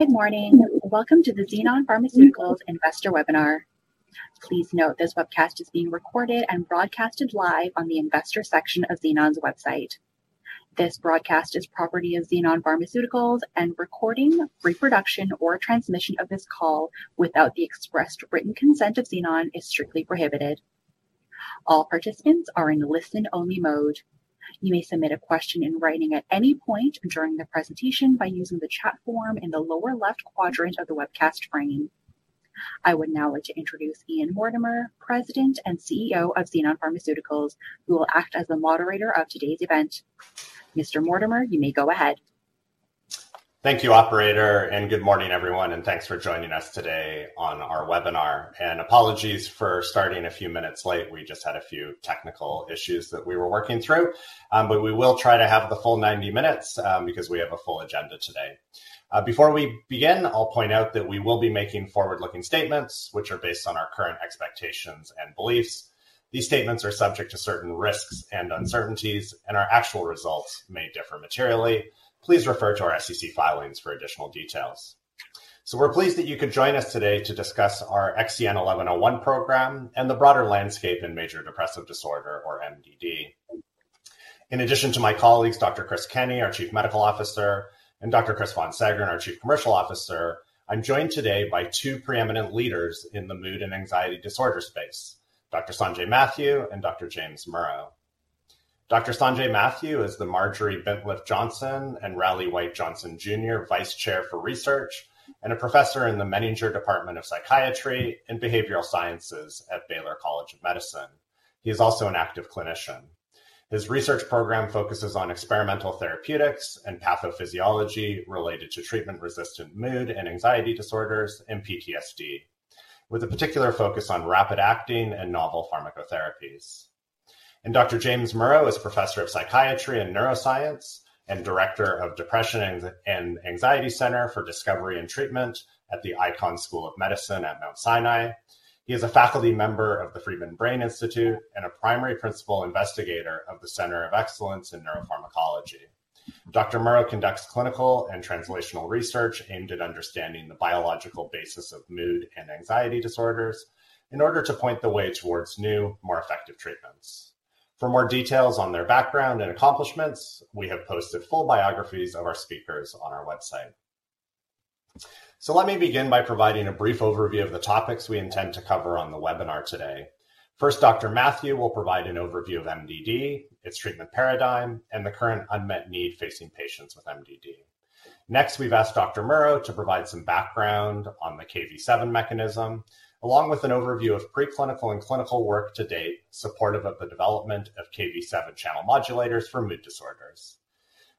Good morning. Welcome to the Xenon Pharmaceuticals Investor Webinar. Please note, this webcast is being recorded and broadcasted live on the investor section of Xenon's website. This broadcast is property of Xenon Pharmaceuticals, and recording, reproduction or transmission of this call without the expressed written consent of Xenon is strictly prohibited. All participants are in listen-only mode. You may submit a question in writing at any point during the presentation by using the chat form in the lower left quadrant of the webcast frame. I would now like to introduce Ian Mortimer, President and CEO of Xenon Pharmaceuticals, who will act as the moderator of today's event. Mr. Mortimer, you may go ahead. Thank you, operator, and good morning, everyone, and thanks for joining us today on our webinar. Apologies for starting a few minutes late. We just had a few technical issues that we were working through. But we will try to have the full 90 minutes, because we have a full agenda today. Before we begin, I'll point out that we will be making forward-looking statements, which are based on our current expectations and beliefs. These statements are subject to certain risks and uncertainties, and our actual results may differ materially. Please refer to our SEC filings for additional details. We're pleased that you could join us today to discuss our XEN1101 program and the broader landscape in Major Depressive Disorder, or MDD. In addition to my colleagues, Dr. Chris Kenney, our Chief Medical Officer, and Dr. Chris von Seggern, our Chief Commercial Officer, I'm joined today by two preeminent leaders in the mood and anxiety disorder space, Dr. Sanjay Mathew and Dr. James Murrough. Dr. Sanjay Mathew is the Marjorie Bintliff Johnson and Raleigh White Johnson, Jr. Vice Chair for Research and a professor in the Menninger Department of Psychiatry and Behavioral Sciences at Baylor College of Medicine. He is also an active clinician. His research program focuses on experimental therapeutics and pathophysiology related to treatment-resistant mood and anxiety disorders, and PTSD, with a particular focus on rapid-acting and novel pharmacotherapies. Dr. James Murrough is Professor of Psychiatry and Neuroscience and Director of Depression and Anxiety Center for Discovery and Treatment at the Icahn School of Medicine at Mount Sinai. He is a faculty member of the Friedman Brain Institute and a primary principal investigator of the Center of Excellence in Neuropharmacology. Dr. Murrough conducts clinical and translational research aimed at understanding the biological basis of mood and anxiety disorders in order to point the way towards new, more effective treatments. For more details on their background and accomplishments, we have posted full biographies of our speakers on our website. Let me begin by providing a brief overview of the topics we intend to cover on the webinar today. First, Dr. Mathew will provide an overview of MDD, its treatment paradigm, and the current unmet need facing patients with MDD. Next, we've asked Dr. Murrough to provide some background on the Kv7 mechanism, along with an overview of preclinical and clinical work to date, supportive of the development of Kv7 channel modulators for mood disorders.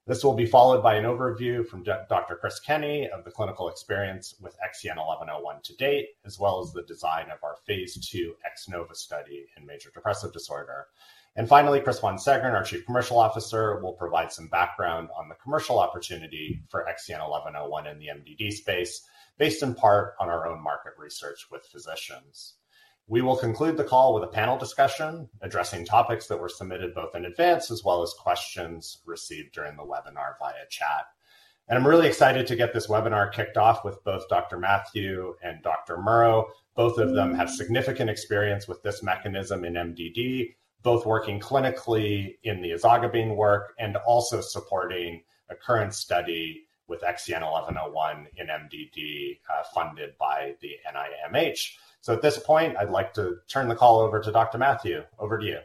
This will be followed by an overview from Dr. Chris Kenney [will discuss] the clinical experience with XEN1101 to date, as well as the design of our phase 2 X-NOVA study in major depressive disorder. And finally, Chris von Seggern, our Chief Commercial Officer, will provide some background on the commercial opportunity for XEN1101 in the MDD space, based in part on our own market research with physicians. We will conclude the call with a panel discussion, addressing topics that were submitted both in advance as well as questions received during the webinar via chat. And I'm really excited to get this webinar kicked off with both Dr. Mathew and Dr. Murrough. Both of them have significant experience with this mechanism in MDD, both working clinically in the ezogabine work and also supporting a current study with XEN1101 in MDD, funded by the NIMH. So at this point, I'd like to turn the call over to Dr. Mathew. Over to you.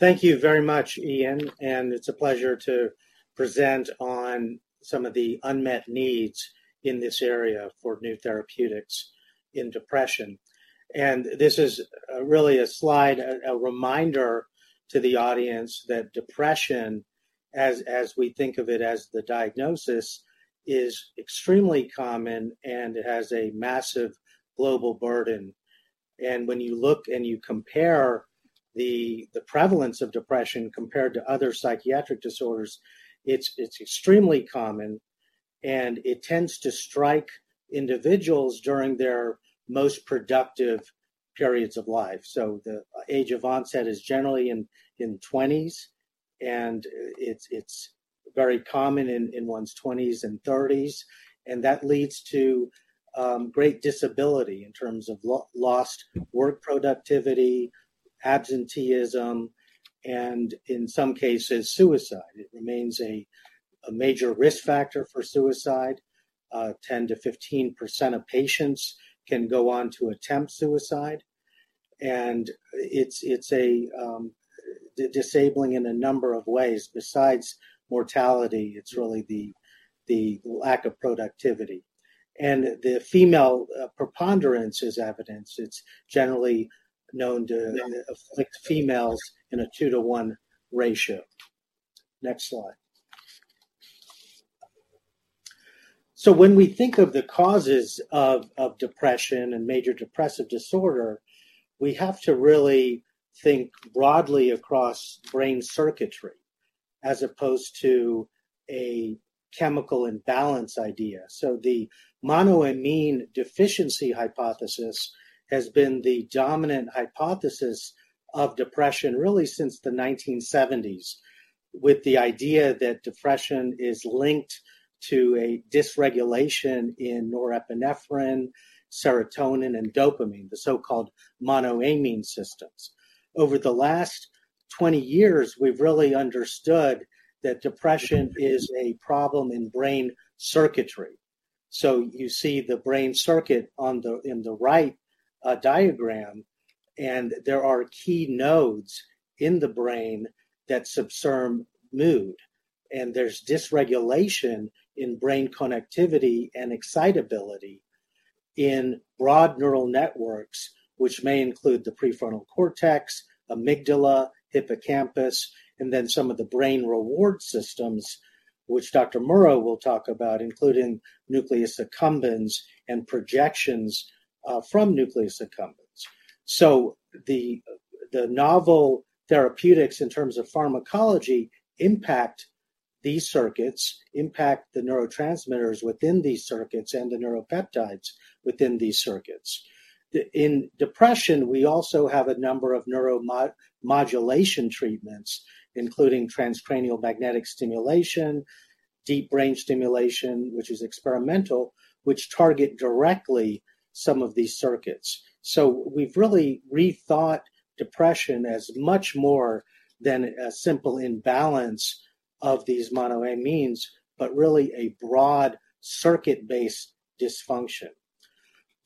Thank you very much, Ian, it's a pleasure to present on some of the unmet needs in this area for new therapeutics in depression. This is really a slide, a reminder to the audience that depression, as we think of it as the diagnosis, is extremely common and has a massive global burden. When you look and you compare the prevalence of depression compared to other psychiatric disorders, it's extremely common, and it tends to strike individuals during their most productive periods of life. The age of onset is generally in twenties, and it's very common in one's twenties and thirties, and that leads to great disability in terms of lost work productivity, absenteeism, and in some cases, suicide. It remains a major risk factor for suicide. Ten to fifteen percent of patients can go on to attempt suicide, and it's disabling in a number of ways. Besides mortality, it's really the lack of productivity. And the female preponderance is evidence. It's generally known to afflict females in a 2-to-1 ratio. Next slide. So when we think of the causes of depression and major depressive disorder, we have to really think broadly across brain circuitry... as opposed to a chemical imbalance idea. So the monoamine deficiency hypothesis has been the dominant hypothesis of depression really since the 1970s, with the idea that depression is linked to a dysregulation in norepinephrine, serotonin, and dopamine, the so-called monoamine systems. Over the last 20 years, we've really understood that depression is a problem in brain circuitry. So you see the brain circuit on the, in the right, diagram, and there are key nodes in the brain that subserve mood, and there's dysregulation in brain connectivity and excitability in broad neural networks, which may include the prefrontal cortex, amygdala, hippocampus, and then some of the brain reward systems, which Dr. Murrough will talk about, including Nucleus Accumbens and projections from Nucleus Accumbens. So the novel therapeutics in terms of pharmacology impact these circuits, impact the neurotransmitters within these circuits, and the neuropeptides within these circuits. In depression, we also have a number of neuromodulation treatments, including transcranial magnetic stimulation, deep brain stimulation, which is experimental, which target directly some of these circuits. So we've really rethought depression as much more than a simple imbalance of these monoamines, but really a broad circuit-based dysfunction.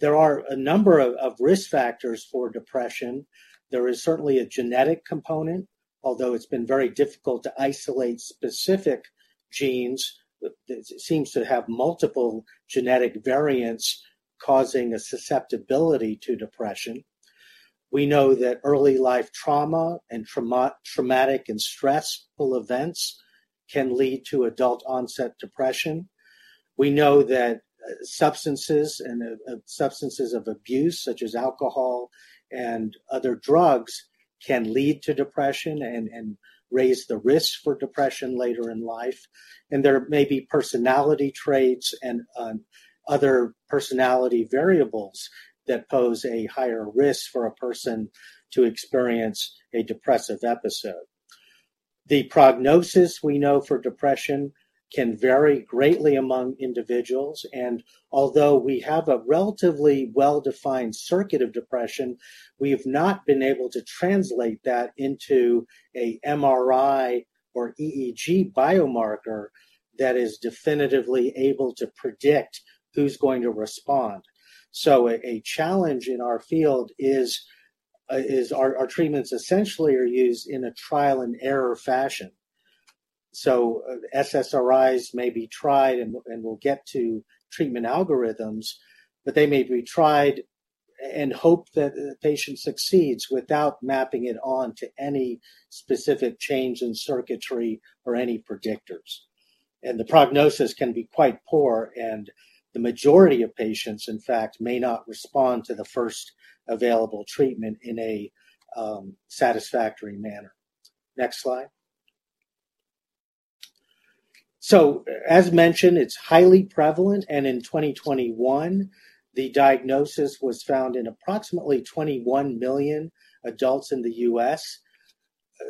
There are a number of risk factors for depression. There is certainly a genetic component, although it's been very difficult to isolate specific genes. It seems to have multiple genetic variants causing a susceptibility to depression. We know that early life trauma and traumatic and stressful events can lead to adult-onset depression. We know that substances of abuse, such as alcohol and other drugs, can lead to depression and raise the risk for depression later in life. There may be personality traits and other personality variables that pose a higher risk for a person to experience a depressive episode. The prognosis we know for depression can vary greatly among individuals, and although we have a relatively well-defined circuit of depression, we've not been able to translate that into a MRI or EEG biomarker that is definitively able to predict who's going to respond. So a challenge in our field is our treatments essentially are used in a trial-and-error fashion. So SSRIs may be tried, and we'll get to treatment algorithms, but they may be tried and hope that the patient succeeds without mapping it on to any specific change in circuitry or any predictors. And the prognosis can be quite poor, and the majority of patients, in fact, may not respond to the first available treatment in a satisfactory manner. Next slide. So as mentioned, it's highly prevalent, and in 2021, the diagnosis was found in approximately 21 million adults in the U.S.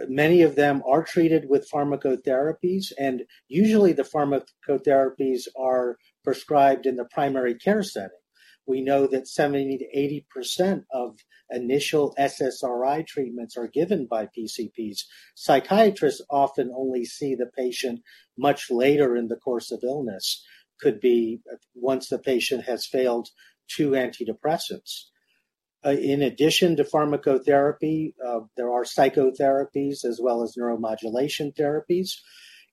Many of them are treated with pharmacotherapies, and usually the pharmacotherapies are prescribed in the primary care setting. We know that 70%-80% of initial SSRI treatments are given by PCPs. Psychiatrists often only see the patient much later in the course of illness, could be, once the patient has failed two antidepressants. In addition to pharmacotherapy, there are psychotherapies as well as neuromodulation therapies.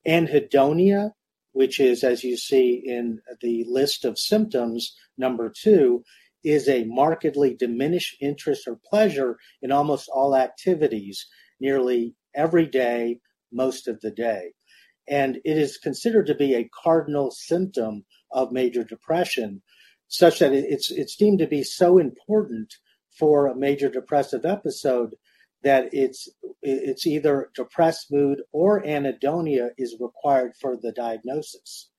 Anhedonia, which is, as you see in the list of symptoms, number two, is a markedly diminished interest or pleasure in almost all activities, nearly every day, most of the day. And it is considered to be a cardinal symptom of major depression, such that it's deemed to be so important for a major depressive episode that it's either depressed mood or anhedonia is required for the diagnosis,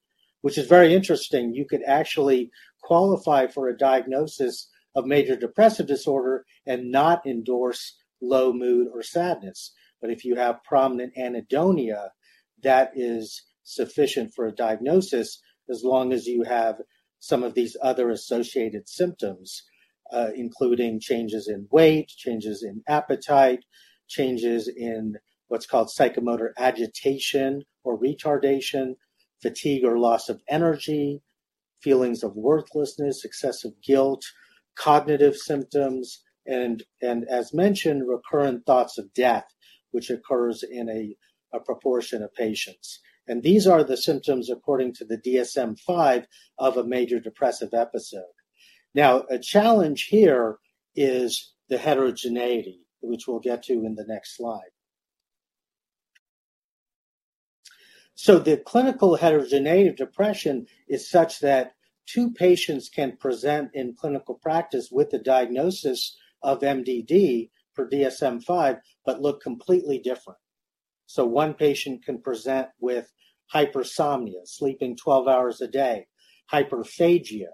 which is very interesting. You could actually qualify for a diagnosis of major depressive disorder and not endorse low mood or sadness. But if you have prominent anhedonia, that is sufficient for a diagnosis as long as you have some of these other associated symptoms, including changes in weight, changes in appetite, changes in what's called psychomotor agitation or retardation, fatigue, or loss of energy, feelings of worthlessness, excessive guilt, cognitive symptoms, and, and as mentioned, recurrent thoughts of death, which occurs in a proportion of patients. And these are the symptoms, according to the DSM-5, of a major depressive episode. Now, a challenge here is the heterogeneity, which we'll get to in the next slide. The clinical heterogeneity of depression is such that two patients can present in clinical practice with a diagnosis of MDD for DSM-5, but look completely different. One patient can present with hypersomnia, sleeping 12 hours a day, hyperphagia,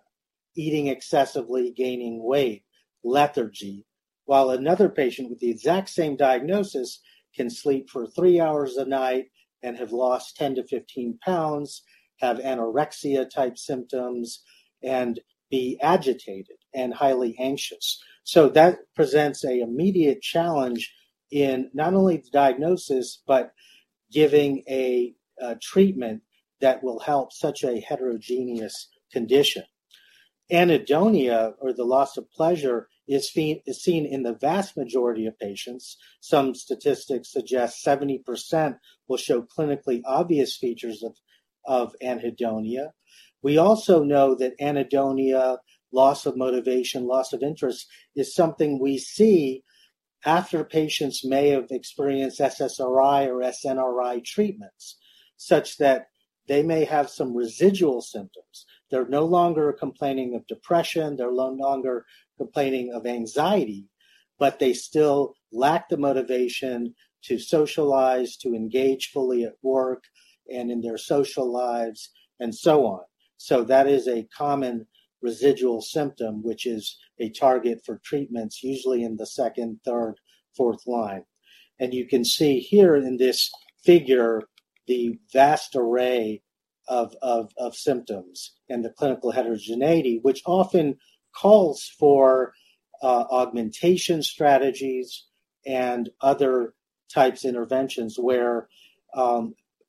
eating excessively, gaining weight, lethargy, while another patient with the exact same diagnosis can sleep for three hours a night and have lost 10-15 pounds, have anorexia-type symptoms, and be agitated and highly anxious. That presents an immediate challenge in not only the diagnosis, but giving a treatment that will help such a heterogeneous condition. Anhedonia, or the loss of pleasure, is seen in the vast majority of patients. Some statistics suggest 70% will show clinically obvious features of anhedonia. We also know that anhedonia, loss of motivation, loss of interest, is something we see after patients may have experienced SSRI or SNRI treatments, such that they may have some residual symptoms. They're no longer complaining of depression, they're no longer complaining of anxiety, but they still lack the motivation to socialize, to engage fully at work and in their social lives, and so on. So that is a common residual symptom, which is a target for treatments, usually in the second, third, fourth line. And you can see here in this figure, the vast array of symptoms and the clinical heterogeneity, which often calls for augmentation strategies and other types of interventions where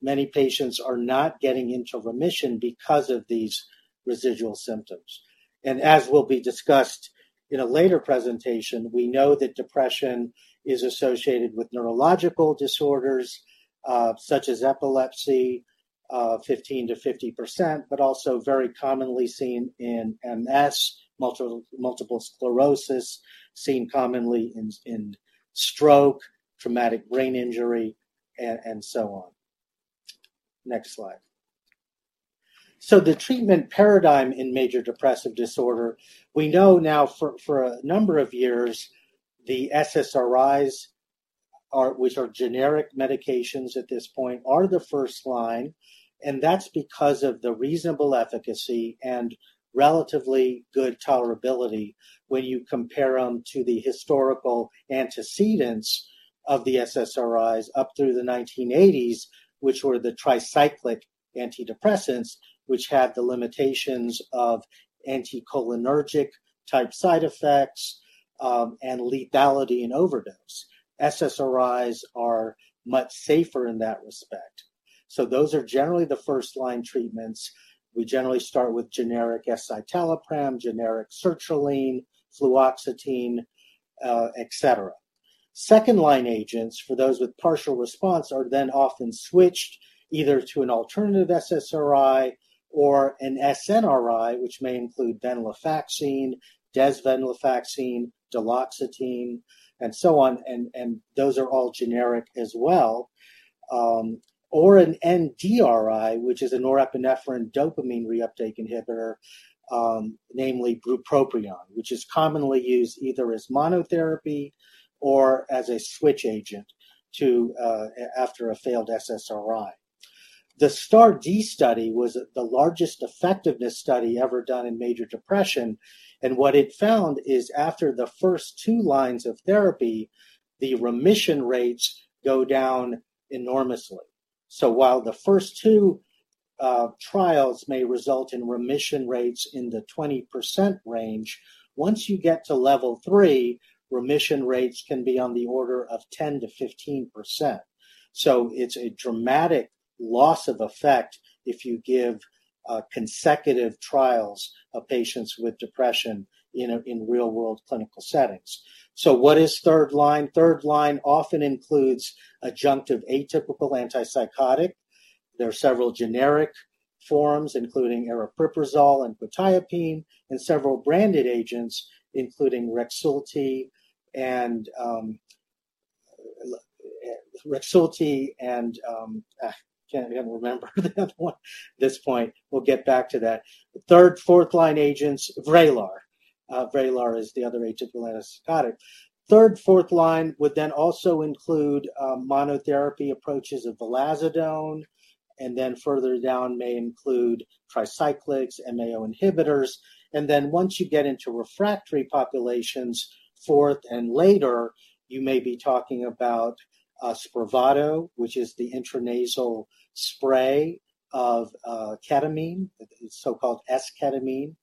many patients are not getting into remission because of these residual symptoms. As will be discussed in a later presentation, we know that depression is associated with neurological disorders, such as epilepsy, 15%-50%, but also very commonly seen in MS, multiple sclerosis, seen commonly in stroke, traumatic brain injury, and so on. Next slide. The treatment paradigm in major depressive disorder. We know now for a number of years, the SSRIs are, which are generic medications at this point, are the first line, and that's because of the reasonable efficacy and relatively good tolerability when you compare them to the historical antecedents of the SSRIs up through the 1980s, which were the tricyclic antidepressants, which had the limitations of anticholinergic-type side effects, and lethality in overdose. SSRIs are much safer in that respect. Those are generally the first-line treatments. We generally start with generic escitalopram, generic sertraline, fluoxetine, et cetera. Second-line agents for those with partial response are then often switched either to an alternative SSRI or an SNRI, which may include venlafaxine, desvenlafaxine, duloxetine, and so on. And those are all generic as well. Or an NDRI, which is a norepinephrine dopamine reuptake inhibitor, namely bupropion, which is commonly used either as monotherapy or as a switch agent to after a failed SSRI. The STAR*D study was the largest effectiveness study ever done in major depression, and what it found is, after the first two lines of therapy, the remission rates go down enormously. So while the first two trials may result in remission rates in the 20% range, once you get to level three, remission rates can be on the order of 10%-15%. So it's a dramatic loss of effect if you give consecutive trials of patients with depression in real-world clinical settings. So what is third line? Third line often includes adjunctive atypical antipsychotic. There are several generic forms, including aripiprazole and quetiapine, and several branded agents, including REXULTI and... can't even remember the other one at this point. We'll get back to that. Third, fourth-line agents. VRAYLAR. VRAYLAR is the other agent, the antipsychotic. Third, fourth line would then also include monotherapy approaches of vilazodone, and then further down may include tricyclics, MAO inhibitors. And then once you get into refractory populations, fourth and later, you may be talking about Spravato, which is the intranasal spray of ketamine. It's so-called esketamine.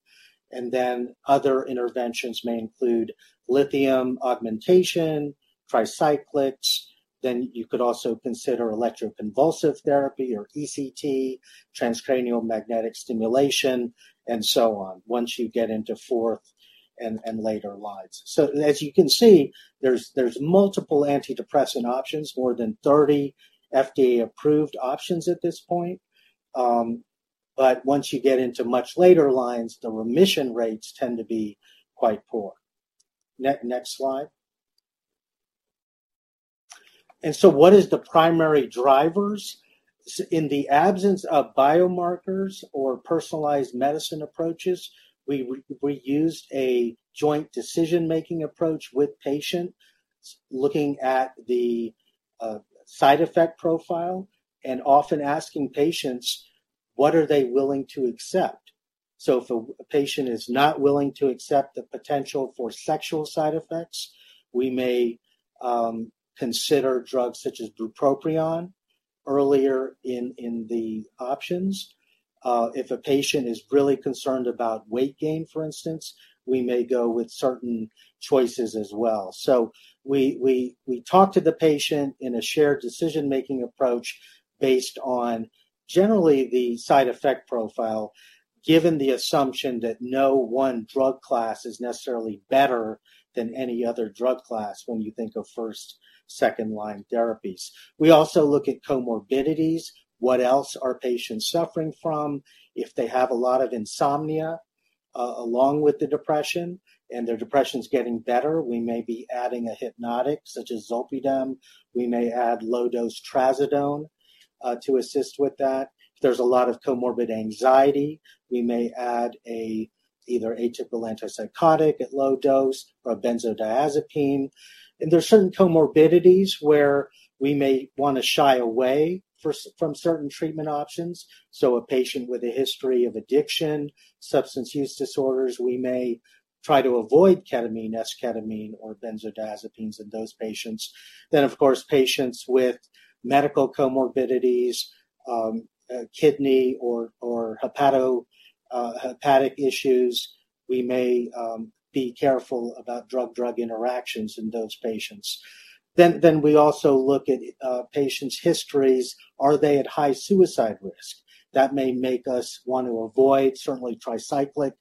Then other interventions may include lithium augmentation, tricyclics, then you could also consider electroconvulsive therapy or ECT, transcranial magnetic stimulation, and so on, once you get into fourth and later lines. So as you can see, there's multiple antidepressant options, more than 30 FDA-approved options at this point. But once you get into much later lines, the remission rates tend to be quite poor. Next slide. And so what is the primary drivers? In the absence of biomarkers or personalized medicine approaches, we used a joint decision-making approach with patients, looking at the side effect profile and often asking patients what are they willing to accept. So if a patient is not willing to accept the potential for sexual side effects, we may consider drugs such as bupropion earlier in the options. If a patient is really concerned about weight gain, for instance, we may go with certain choices as well. We talk to the patient in a shared decision-making approach based on generally the side effect profile, given the assumption that no one drug class is necessarily better than any other drug class when you think of first, second-line therapies. We also look at comorbidities. What else are patients suffering from? If they have a lot of insomnia, along with the depression, and their depression is getting better, we may be adding a hypnotic, such as zolpidem. We may add low-dose trazodone to assist with that. If there's a lot of comorbid anxiety, we may add either an atypical antipsychotic at low dose or a benzodiazepine. There's certain comorbidities where we may want to shy away from certain treatment options. So a patient with a history of addiction, substance use disorders, we may try to avoid ketamine, Esketamine, or benzodiazepines in those patients. Then, of course, patients with medical comorbidities, kidney or hepatic issues, we may be careful about drug-drug interactions in those patients. Then we also look at patients' histories. Are they at high suicide risk? That may make us want to avoid certainly tricyclic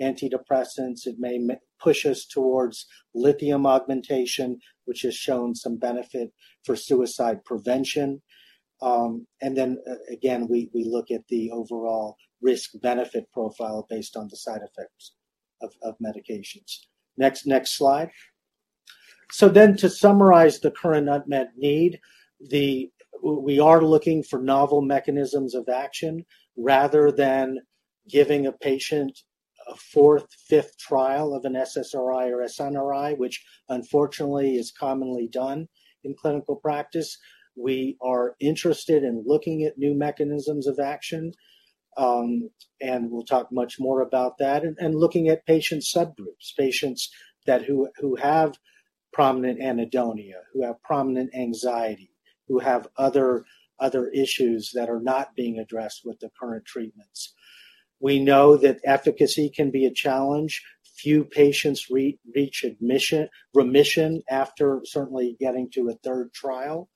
antidepressants. It may push us towards lithium augmentation, which has shown some benefit for suicide prevention. And then, again, we look at the overall risk-benefit profile based on the side effects of medications. Next slide. So then, to summarize the current unmet need, we are looking for novel mechanisms of action, rather than giving a patient a fourth, fifth trial of an SSRI or SNRI, which unfortunately is commonly done in clinical practice. We are interested in looking at new mechanisms of action, and we'll talk much more about that, and looking at patient subgroups, patients who have prominent anhedonia, who have prominent anxiety, who have other issues that are not being addressed with the current treatments. We know that efficacy can be a challenge. Few patients reach remission after certainly getting to a third trial.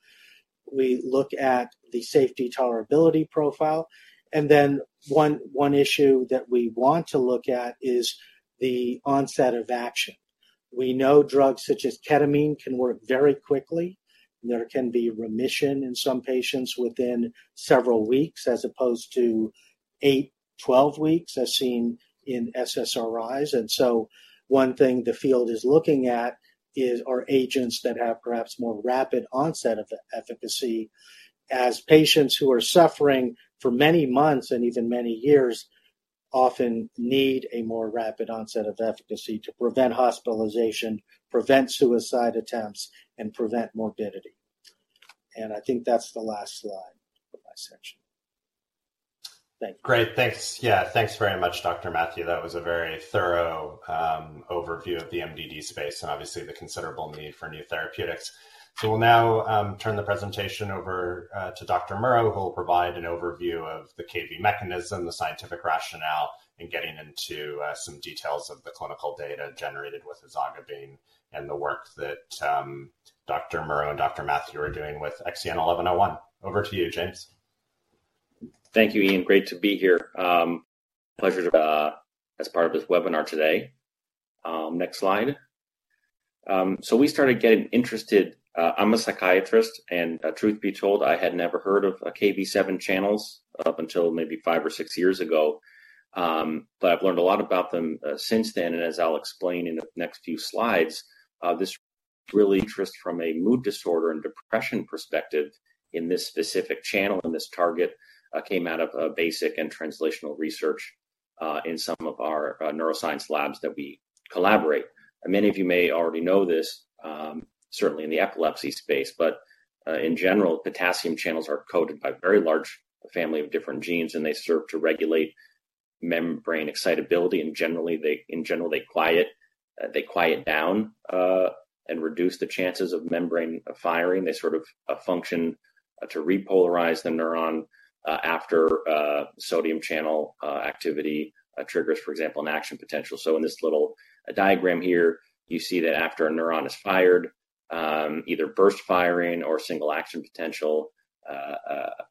We look at the safety tolerability profile, and then one issue that we want to look at is the onset of action. We know drugs such as ketamine can work very quickly. There can be remission in some patients within several weeks, as opposed to 8, 12 weeks, as seen in SSRIs. And so one thing the field is looking at is, are agents that have perhaps more rapid onset of efficacy, as patients who are suffering for many months and even many years, often need a more rapid onset of efficacy to prevent hospitalization, prevent suicide attempts, and prevent morbidity. And I think that's the last slide of my section. Thank you. Great. Thanks. Yeah, thanks very much, Dr. Mathew. That was a very thorough overview of the MDD space and obviously the considerable need for new therapeutics. So we'll now turn the presentation over to Dr. Murrough, who will provide an overview of the Kv mechanism, the scientific rationale, and getting into some details of the clinical data generated with ezogabine and the work that Dr. Murrough and Dr. Mathew are doing with XEN1101. Over to you, James. Thank you, Ian. Great to be here. Pleasure to, as part of this webinar today. Next slide. So we started getting interested... I'm a psychiatrist, and truth be told, I had never heard of, Kv7 channels up until maybe five or six years ago. But I've learned a lot about them, since then, and as I'll explain in the next few slides, this really interest from a mood disorder and depression perspective in this specific channel, in this target, came out of a basic and translational research, in some of our, neuroscience labs that we collaborate. And many of you may already know this, certainly in the epilepsy space, but in general, potassium channels are coded by a very large family of different genes, and they serve to regulate membrane excitability, and generally, in general, they quiet down and reduce the chances of membrane firing. They sort of a function to repolarize the neuron after sodium channel activity triggers, for example, an action potential. So in this little diagram here, you see that after a neuron is fired, either burst firing or single action potential,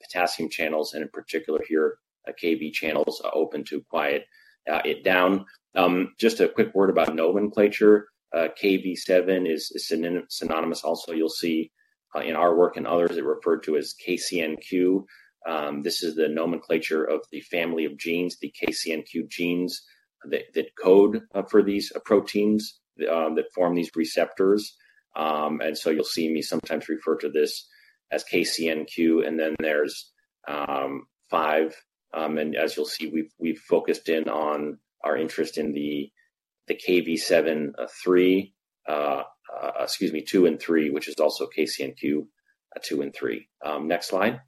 potassium channels, and in particular here, a Kv channels, open to quiet it down. Just a quick word about nomenclature. Kv7 is synonymous. Also, you'll see in our work and others, they refer to as KCNQ. This is the nomenclature of the family of genes, the KCNQ genes that code for these proteins that form these receptors. And so you'll see me sometimes refer to this as KCNQ, and then there's five. And as you'll see, we've focused in on our interest in the Kv7.3, excuse me, two and three, which is also KCNQ two and three. Next slide.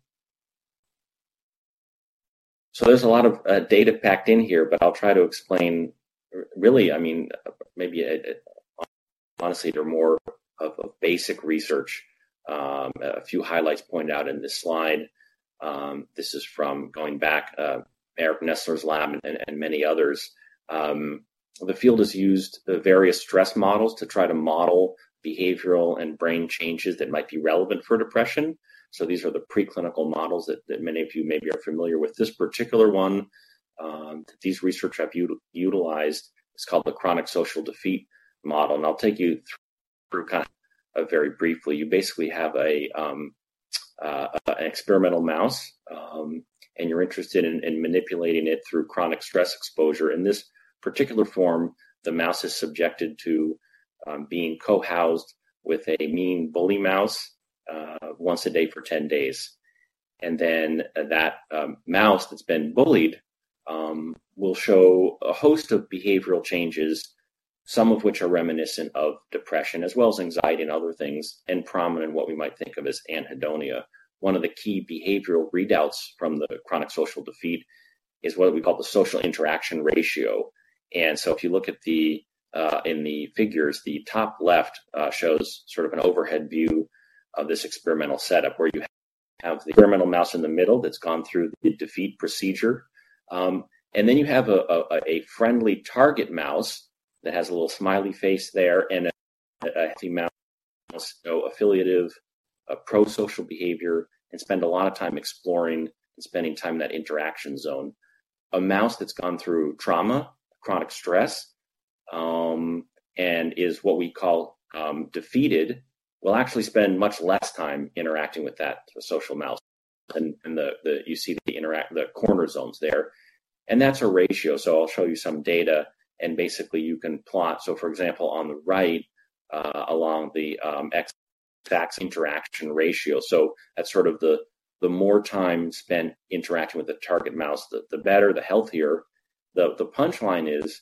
So there's a lot of data packed in here, but I'll try to explain. Really, I mean, maybe, honestly, they're more of a basic research. A few highlights pointed out in this slide. This is from going back, Eric Nestler's lab and many others. The field has used the various stress models to try to model behavioral and brain changes that might be relevant for depression. These are the preclinical models that many of you maybe are familiar with. This particular one, these research have utilized. It's called the chronic social defeat model, and I'll take you through kind of, very briefly. You basically have an experimental mouse, and you're interested in manipulating it through chronic stress exposure. In this particular form, the mouse is subjected to being co-housed with a mean bully mouse once a day for 10 days. That mouse that's been bullied will show a host of behavioral changes, some of which are reminiscent of depression, as well as anxiety and other things, and prominent what we might think of as anhedonia. One of the key behavioral readouts from the chronic social defeat is what we call the social interaction ratio. If you look at the, in the figures, the top left shows sort of an overhead view of this experimental setup, where you have the experimental mouse in the middle that's gone through the defeat procedure, and then you have a friendly target mouse that has a little smiley face there, and a healthy mouse, so affiliative, pro-social behavior, and spend a lot of time exploring and spending time in that interaction zone. A mouse that's gone through trauma, chronic stress, and is what we call defeated, will actually spend much less time interacting with that social mouse. You see the interact, the corner zones there, and that's a ratio. I'll show you some data, and basically, you can plot. For example, on the right, along the X axis interaction ratio. That's sort of the, the more time spent interacting with the target mouse, the, the better, the healthier. The punchline is,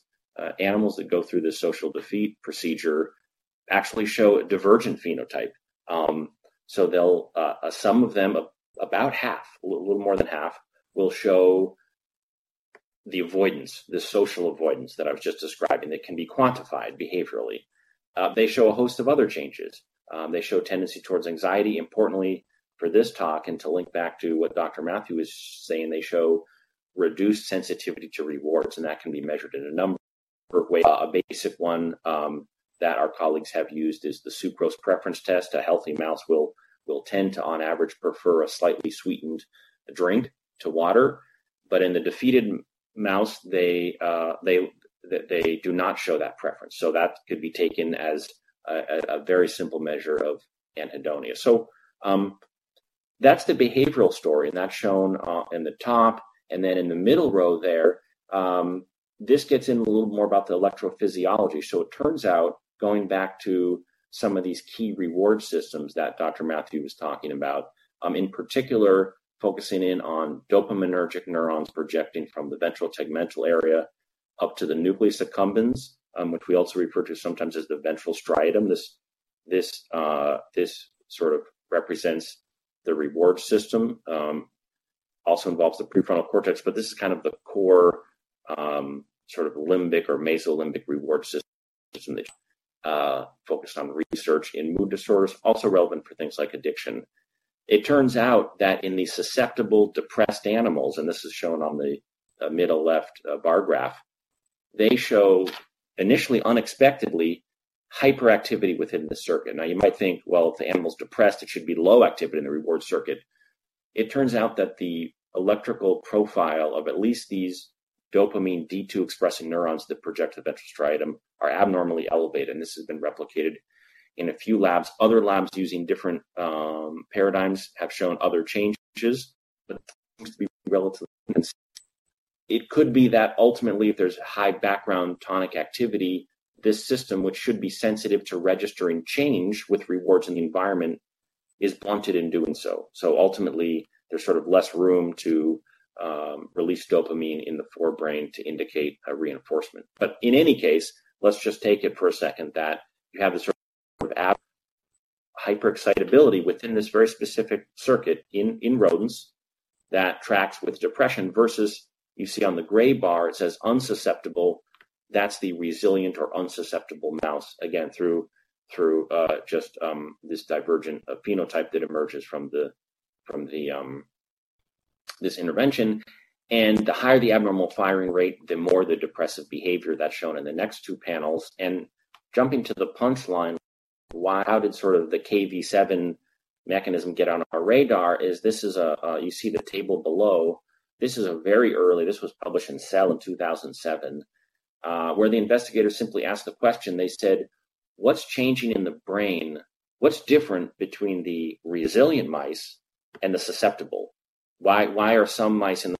animals that go through this social defeat procedure actually show a divergent phenotype. They, about half, a little more than half, will show the avoidance, the social avoidance that I was just describing, that can be quantified behaviorally. They show a host of other changes. They show a tendency towards anxiety. Importantly, for this talk, and to link back to what Dr. Mathew was saying, they show reduced sensitivity to rewards, and that can be measured in a number of ways. A basic one that our colleagues have used is the sucrose preference test. A healthy mouse will, on average, prefer a slightly sweetened drink to water. But in the defeated mouse, they do not show that preference. So that could be taken as a very simple measure of anhedonia. So, that's the behavioral story, and that's shown in the top. And then in the middle row there, this gets into a little more about the electrophysiology. So it turns out, going back to some of these key reward systems that Dr. Mathew was talking about, in particular, focusing in on dopaminergic neurons projecting from the ventral tegmental area up to the nucleus accumbens, which we also refer to sometimes as the ventral striatum. This sort of represents the reward system, also involves the prefrontal cortex, but this is kind of the core, sort of limbic or mesolimbic reward system that focused on research in mood disorders, also relevant for things like addiction. It turns out that in the susceptible, depressed animals, and this is shown on the middle left bar graph, they show initially, unexpectedly, hyperactivity within the circuit. Now, you might think, well, if the animal's depressed, it should be low activity in the reward circuit. It turns out that the electrical profile of at least these dopamine D2-expressing neurons that project to the ventral striatum are abnormally elevated, and this has been replicated in a few labs. Other labs using different paradigms have shown other changes, but relatively consistent. It could be that ultimately, if there's a high background tonic activity, this system, which should be sensitive to registering change with rewards in the environment, is blunted in doing so. Ultimately, there's sort of less room to release dopamine in the forebrain to indicate a reinforcement. In any case, let's just take it for a second that you have this sort of hyperexcitability within this very specific circuit in rodents that tracks with depression versus you see on the gray bar, it says, "unsusceptible." That's the resilient or unsusceptible mouse, again, through just this divergent phenotype that emerges from this intervention. The higher the abnormal firing rate, the more the depressive behavior that's shown in the next two panels. And jumping to the punchline, why—how did sort of the Kv7 mechanism get on our radar is this is a—you see the table below. This is a very early. This was published in Cell in 2007, where the investigators simply asked the question, they said: What's changing in the brain? What's different between the resilient mice and the susceptible? Why, why are some mice in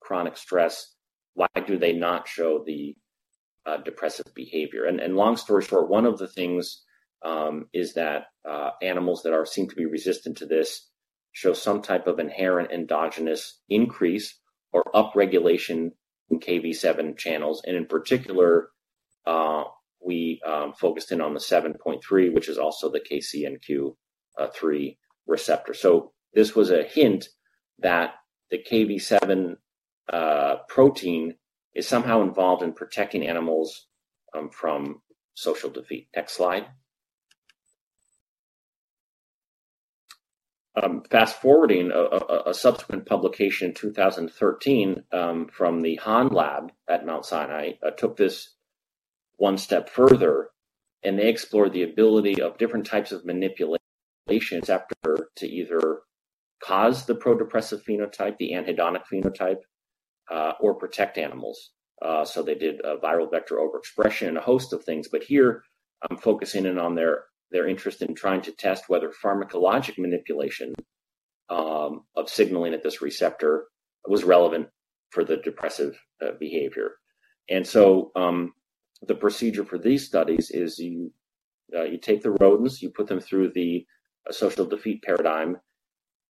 chronic stress? Why do they not show the depressive behavior? And long story short, one of the things is that animals that are—seem to be resistant to this show some type of inherent endogenous increase or upregulation in Kv7 channels. And in particular, we focused in on the 7.3, which is also the KCNQ three receptor. So this was a hint that the Kv7 protein is somehow involved in protecting animals from social defeat. Next slide. Fast-forwarding a subsequent publication in 2013 from the Han lab at Mount Sinai took this one step further, and they explored the ability of different types of manipulations after to either cause the pro-depressive phenotype, the anhedonic phenotype, or protect animals. So they did a viral vector overexpression and a host of things, but here I'm focusing in on their interest in trying to test whether pharmacologic manipulation of signaling at this receptor was relevant for the depressive behavior. And so, the procedure for these studies is you take the rodents, you put them through the social defeat paradigm,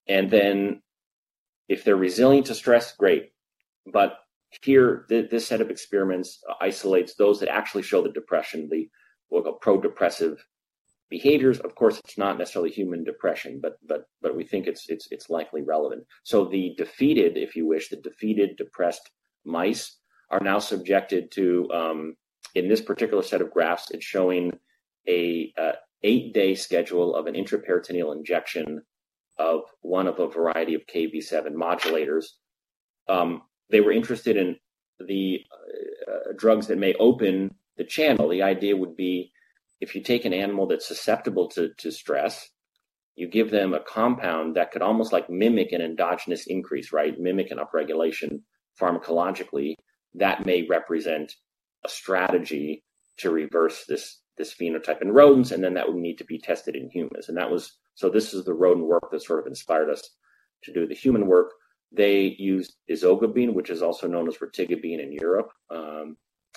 and then if they're resilient to stress, great. This set of experiments isolates those that actually show the depression, the, we'll go pro-depressive behaviors. Of course, it's not necessarily human depression, but we think it's likely relevant. The defeated, if you wish, the defeated, depressed mice are now subjected to... In this particular set of graphs, it's showing an eight-day schedule of an intraperitoneal injection of one of a variety of Kv7 modulators. They were interested in the drugs that may open the channel. The idea would be if you take an animal that's susceptible to stress, you give them a compound that could almost mimic an endogenous increase, right? Mimic an upregulation pharmacologically, that may represent a strategy to reverse this phenotype in rodents, and then that would need to be tested in humans. So this is the rodent work that sort of inspired us to do the human work. They used ezogabine, which is also known as retigabine in Europe,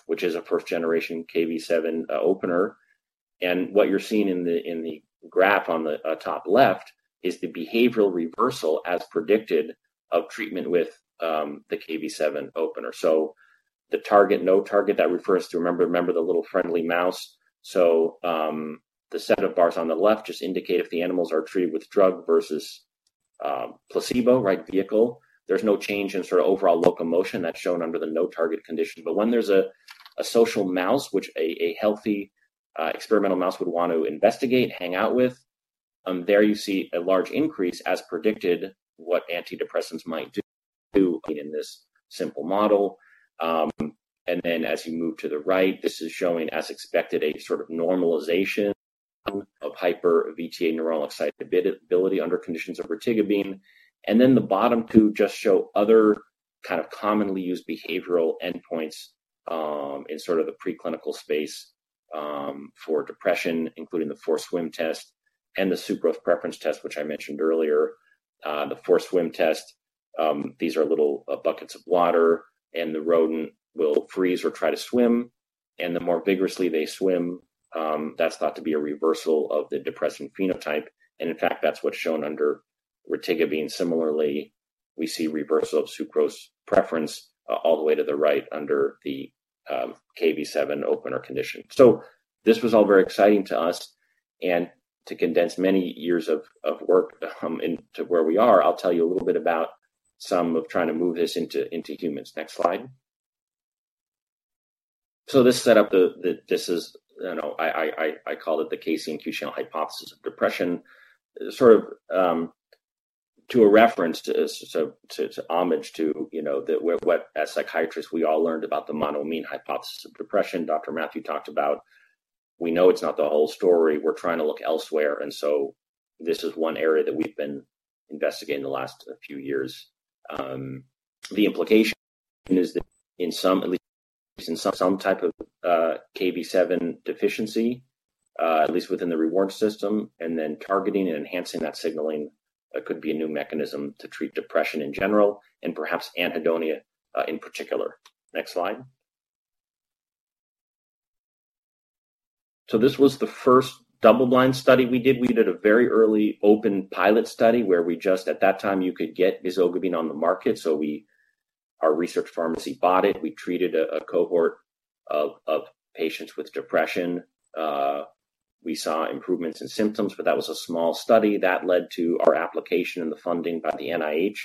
which is a first-generation Kv7 opener. What you're seeing in the graph on the top left is the behavioral reversal, as predicted, of treatment with the Kv7 opener. So the target, no target, that refers to remember, remember the little friendly mouse. So the set of bars on the left just indicate if the animals are treated with drug versus placebo, right, vehicle. There's no change in sort of overall locomotion. That's shown under the no target condition. But when there's a social mouse, which a healthy experimental mouse would want to investigate, hang out with, there you see a large increase, as predicted, what antidepressants might do in this simple model. And then as you move to the right, this is showing, as expected, a sort of normalization of hyper VTA neuronal excitability under conditions of retigabine. And then the bottom two just show other kind of commonly used behavioral endpoints in sort of the preclinical space for depression, including the forced swim test and the sucrose preference test, which I mentioned earlier. The forced swim test, these are little buckets of water, and the rodent will freeze or try to swim, and the more vigorously they swim, that's thought to be a reversal of the depressive phenotype. And in fact, that's what's shown under retigabine. Similarly, we see reversal of sucrose preference, all the way to the right under the KV7 opener condition. This was all very exciting to us and to condense many years of work into where we are. I'll tell you a little bit about some of trying to move this into humans. Next slide. This set up the-- this is, you know, I call it the KCNQ channel hypothesis of depression. Sort of, you know, to a reference to, to homage to, you know, what as psychiatrists, we all learned about the monoamine hypothesis of depression Dr. Mathew talked about. We know it's not the whole story. We're trying to look elsewhere, and this is one area that we've been investigating the last few years. The implication is that in some, at least, in some, some type of KV7 deficiency, at least within the reward system, and then targeting and enhancing that signaling could be a new mechanism to treat depression in general and perhaps anhedonia in particular. Next slide. This was the first double-blind study we did. We did a very early open pilot study where we just-- at that time, you could get ezogabine on the market. We-- our research pharmacy bought it. We treated a cohort of patients with depression. We saw improvements in symptoms, but that was a small study that led to our application and the funding by the NIH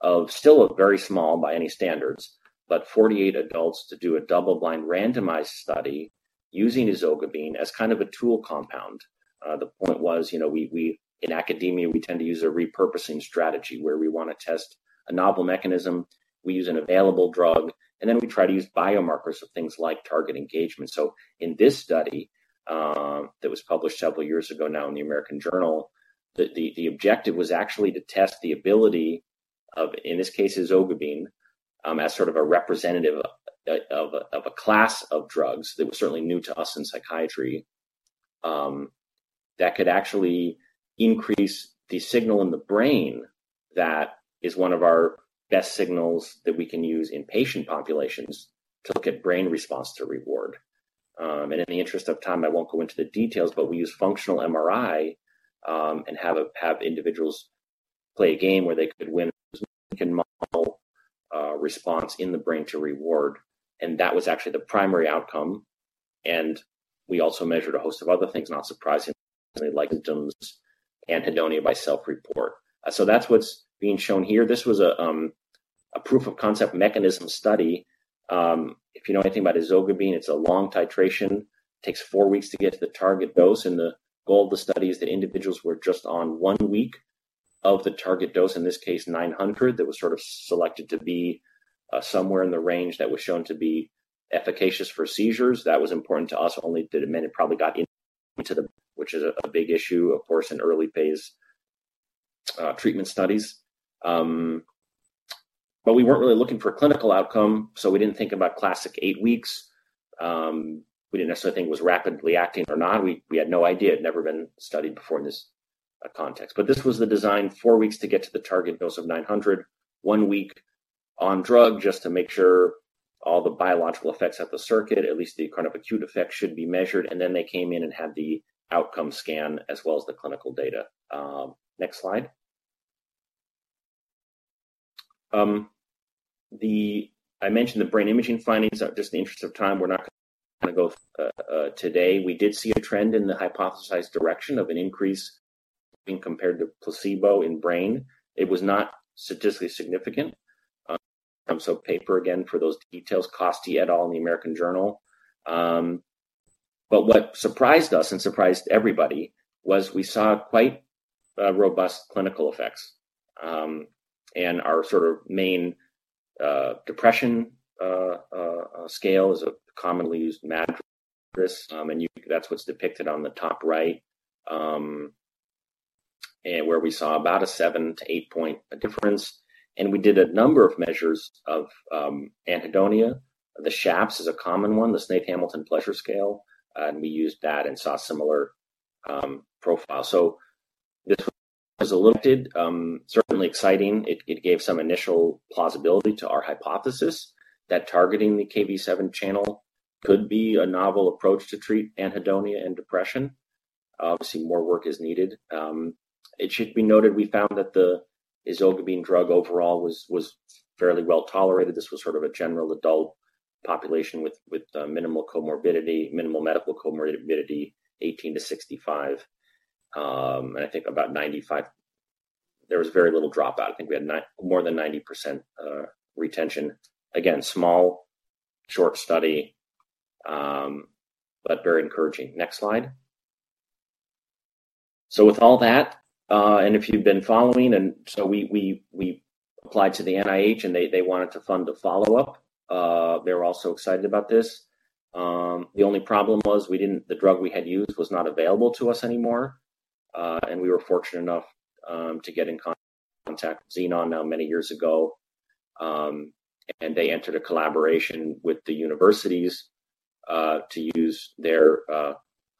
of still a very small by any standards, but 48 adults to do a double-blind, randomized study using ezogabine as kind of a tool compound. The point was, you know, we in academia tend to use a repurposing strategy where we want to test a novel mechanism, we use an available drug, and then we try to use biomarkers of things like target engagement. So in this study that was published several years ago now in the American Journal, the objective was actually to test the ability of, in this case, ezogabine, as sort of a representative of a class of drugs that was certainly new to us in psychiatry, that could actually increase the signal in the brain. That is one of our best signals that we can use in patient populations to look at brain response to reward. And in the interest of time, I won't go into the details, but we use functional MRI, and have individuals play a game where they could win, can model response in the brain to reward, and that was actually the primary outcome. We also measured a host of other things, not surprisingly, like anhedonia by self-report. So that's what's being shown here. This was a proof of concept mechanism study. If you know anything about Ezogabine, it's a long titration, takes four weeks to get to the target dose, and the goal of the study is that individuals were just on one week of the target dose, in this case, 900. That was sort of selected to be somewhere in the range that was shown to be efficacious for seizures. That was important to us, only did it meant it probably got into the-- which is a, a big issue, of course, in early phase, treatment studies. We weren't really looking for a clinical outcome, so we didn't think about classic eight weeks. We didn't necessarily think it was rapidly acting or not. We, we had no idea. It had never been studied before in this context. This was the design, four weeks to get to the target dose of 900, one week on drug, just to make sure all the biological effects at the circuit, at least the kind of acute effects, should be measured. They came in and had the outcome scan as well as the clinical data. Next slide. I mentioned the brain imaging findings. So just in the interest of time, we're not gonna go today. We did see a trend in the hypothesized direction of an increase being compared to placebo in brain. It was not statistically significant. So paper, again, for those details, Costi et al. in the American Journal. But what surprised us and surprised everybody was we saw quite robust clinical effects. And our sort of main depression scale is a commonly used matrix, and you-- that's what's depicted on the top right, and where we saw about a 7-8-point difference. And we did a number of measures of anhedonia. The SHAPS is a common one, the Snaith-Hamilton Pleasure Scale, and we used that and saw a similar profile. So this was alluded certainly exciting. It gave some initial plausibility to our hypothesis that targeting the Kv7 channel could be a novel approach to treat anhedonia and depression. Obviously, more work is needed. It should be noted, we found that the ezogabine drug overall was fairly well tolerated. This was sort of a general adult population with minimal comorbidity, minimal medical comorbidity, 18 to 65. I think about 95%—there was very little dropout. I think we had more than 90% retention. Again, small, short study, but very encouraging. Next slide. With all that, if you've been following, we applied to the NIH, and they wanted to fund a follow-up. They were also excited about this. The only problem was the drug we had used was not available to us anymore, and we were fortunate enough to get in contact with Xenon now many years ago. And they entered a collaboration with the universities to use their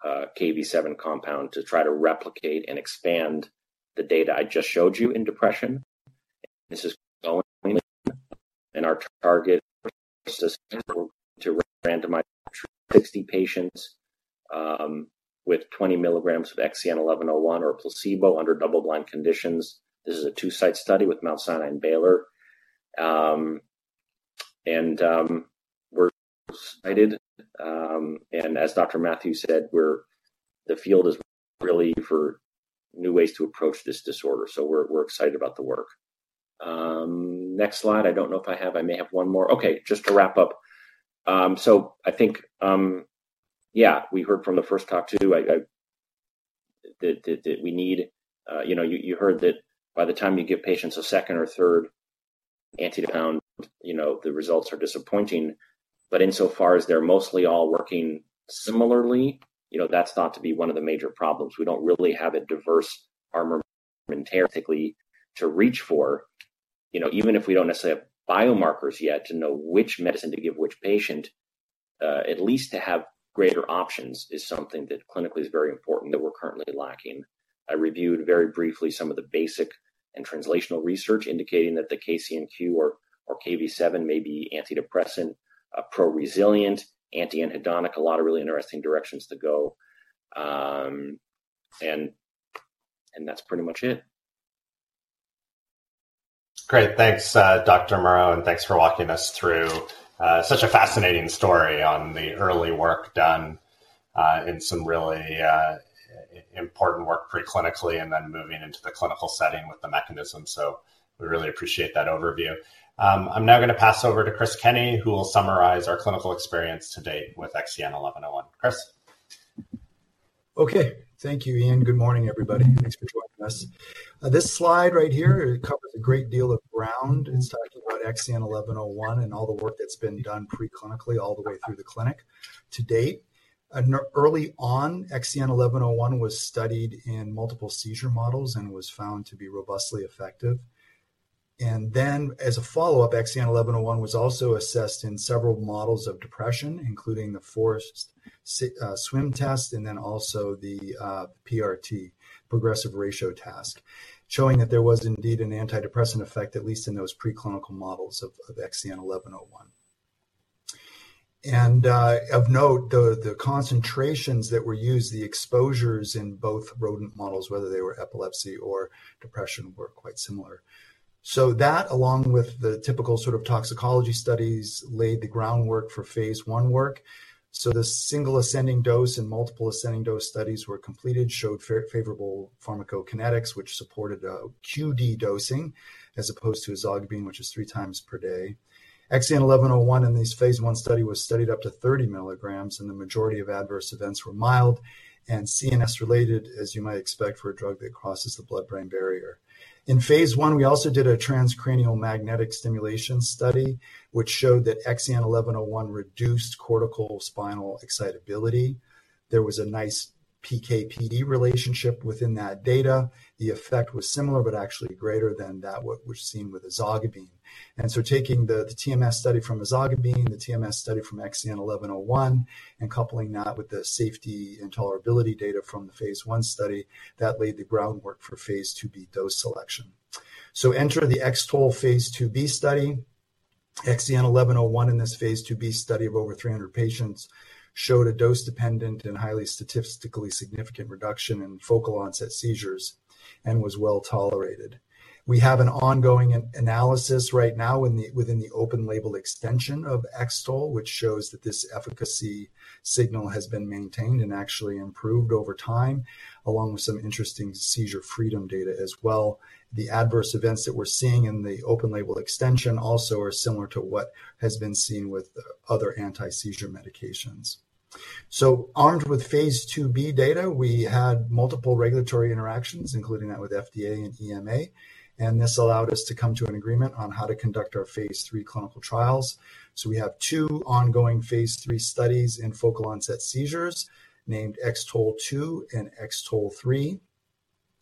Kv7 compound to try to replicate and expand the data I just showed you in depression. This is going, and our target is to randomize 60 patients with 20 milligrams of XEN1101 or placebo under double-blind conditions. This is a two-site study with Mount Sinai and Baylor. And we're excited. And as Dr. Mathew said, the field is really for new ways to approach this disorder, so we're excited about the work. Next slide. I don't know if I have... I may have one more. Okay, just to wrap up. I think, yeah, we heard from the first talk, too, I-- that, that, that we need, you know, you heard that by the time you give patients a second or third antidepressant, you know, the results are disappointing. Insofar as they're mostly all working similarly, you know, that's thought to be one of the major problems. We don't really have a diverse armamentarium typically to reach for. You know, even if we don't necessarily have biomarkers yet to know which medicine to give which patient, at least to have greater options is something that clinically is very important that we're currently lacking. I reviewed very briefly some of the basic and translational research indicating that the KCNQ or, or Kv7 may be antidepressant, pro-resilient, anti-anhedonic. A lot of really interesting directions to go. And that's pretty much it. Great. Thanks, Dr. Murrough, and thanks for walking us through such a fascinating story on the early work done in some really important work preclinically and then moving into the clinical setting with the mechanism. So we really appreciate that overview. I'm now gonna pass over to Chris Kenney, who will summarize our clinical experience to date with XEN1101. Chris? Okay. Thank you, Ian. Good morning, everybody. Thanks for joining us. This slide right here, it covers a great deal of ground. It's talking about XEN1101 and all the work that's been done preclinically all the way through the clinic to date. Early on, XEN1101 was studied in multiple seizure models and was found to be robustly effective. And then as a follow-up, XEN1101 was also assessed in several models of depression, including the forced swim test, and then also the PRT, progressive ratio task, showing that there was indeed an antidepressant effect, at least in those preclinical models of XEN1101. And, of note, the concentrations that were used, the exposures in both rodent models, whether they were epilepsy or depression, were quite similar. So that, along with the typical sort of toxicology studies, laid the groundwork for phase 1 work. So the single ascending dose and multiple ascending dose studies were completed, showed favorable pharmacokinetics, which supported QD dosing, as opposed to ezogabine, which is three times per day. XEN1101, in this phase 1 study, was studied up to 30 milligrams, and the majority of adverse events were mild and CNS-related, as you might expect for a drug that crosses the blood-brain barrier. In phase 1, we also did a transcranial magnetic stimulation study, which showed that XEN1101 reduced cortical spinal excitability. There was a nice PK/PD relationship within that data. The effect was similar, but actually greater than that what was seen with Ezogabine. So taking the TMS study from Ezogabine, the TMS study from XEN1101, and coupling that with the safety and tolerability data from the phase 1 study, that laid the groundwork for phase 2b dose selection. So enter the X-TOLE Phase IIb study. XEN1101 in this Phase IIb study of over 300 patients showed a dose-dependent and highly statistically significant reduction in focal onset seizures and was well-tolerated. We have an ongoing analysis right now within the open-label extension of X-TOLE2, which shows that this efficacy signal has been maintained and actually improved over time, along with some interesting seizure freedom data as well. The adverse events that we're seeing in the open-label extension also are similar to what has been seen with other anti-seizure medications. So armed with phase 2b data, we had multiple regulatory interactions, including that with FDA and EMA, and this allowed us to come to an agreement on how to conduct our Phase III clinical trials. So we have two ongoing phase 3 studies in focal onset seizures, named X-TOLE2 and X-TOLE3,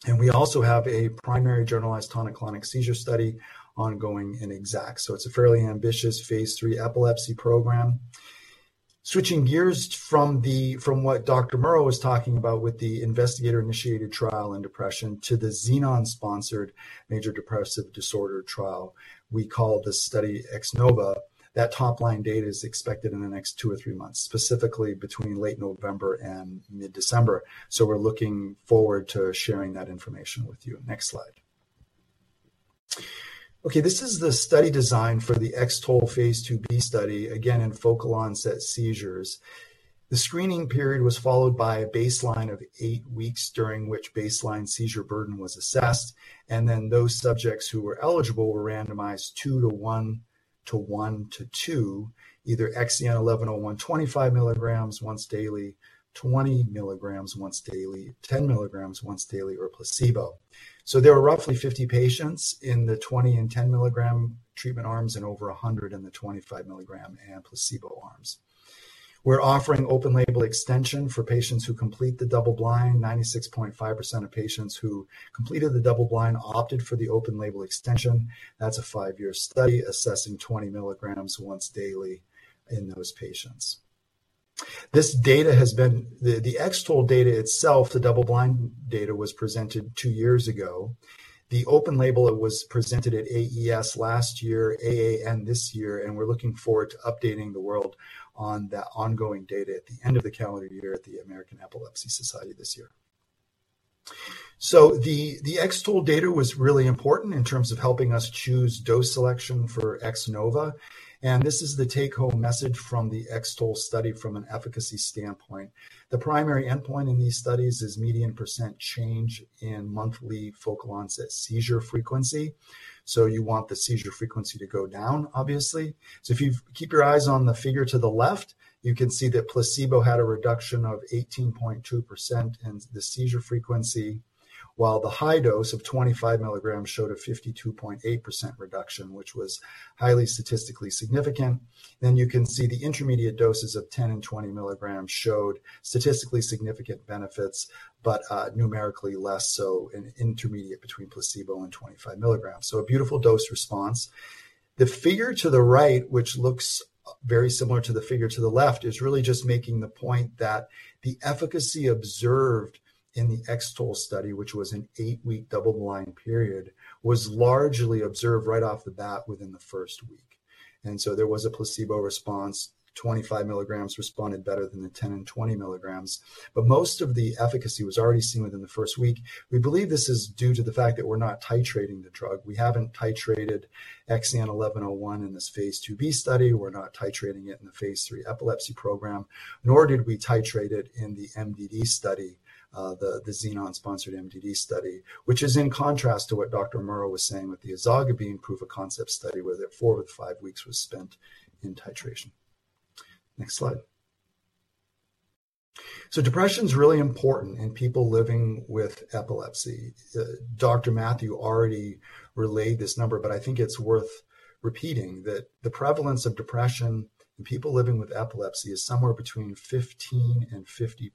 and we also have a primary generalized tonic-clonic seizure study ongoing in X-ACKT. So it's a fairly ambitious phase 3 epilepsy program. Switching gears from what Dr.Murrough. Was talking about with the investigator-initiated trial in depression to the Xenon-sponsored major depressive disorder trial, we call this study X-NOVA. That top-line data is expected in the next 2 or 3 months, specifically between late November and mid-December. So we're looking forward to sharing that information with you. Next slide. Okay, this is the study design for the X-TOLE Phase IIb study, again, in focal onset seizures. The screening period was followed by a baseline of 8 weeks, during which baseline seizure burden was assessed, and then those subjects who were eligible were randomized 2 to 1 to 1 to 2, either XEN1101 25 milligrams once daily, 20 milligrams once daily, 10 milligrams once daily, or placebo. So there were roughly 50 patients in the 20 and 10 milligram treatment arms, and over 100 in the 25 milligram and placebo arms. We're offering open-label extension for patients who complete the double blind. 96.5% of patients who completed the double blind opted for the open-label extension. That's a five-year study assessing 20 milligrams once daily in those patients. This data has been... The X-TOLE data itself, the double-blind data, was presented two years ago. The open label was presented at AES last year, AAN this year, and we're looking forward to updating the world on that ongoing data at the end of the calendar year at the American Epilepsy Society this year. So the X-TOLE data was really important in terms of helping us choose dose selection for X-NOVA, and this is the take-home message from the X-TOLE study from an efficacy standpoint. The primary endpoint in these studies is median percent change in monthly focal onset seizure frequency, so you want the seizure frequency to go down, obviously. So if you keep your eyes on the figure to the left, you can see that placebo had a reduction of 18.2% in the seizure frequency, while the high dose of 25 milligrams showed a 52.8% reduction, which was highly statistically significant. Then you can see the intermediate doses of 10 and 20 milligrams showed statistically significant benefits, but, numerically less so in intermediate between placebo and 25 milligrams. So a beautiful dose response. The figure to the right, which looks, very similar to the figure to the left, is really just making the point that the efficacy observed in the X-TOLE study, which was an eight-week double-blind period, was largely observed right off the bat within the first week. There was a placebo response, 25 mg responded better than the 10 and 20 mg, but most of the efficacy was already seen within the first week. We believe this is due to the fact that we're not titrating the drug. We haven't titrated XEN1101 in this phase 2b study. We're not titrating it in the phase 3 epilepsy program, nor did we titrate it in the MDD study, the, the Xenon-sponsored MDD study, which is in contrast to what Dr. Murrough was saying with the ezogabine proof of concept study, where four of the five weeks was spent in titration. Next slide. Depression's really important in people living with epilepsy. Dr. Mathew already relayed this number, but I think it's worth repeating, that the prevalence of depression in people living with epilepsy is somewhere between 15% and 50%.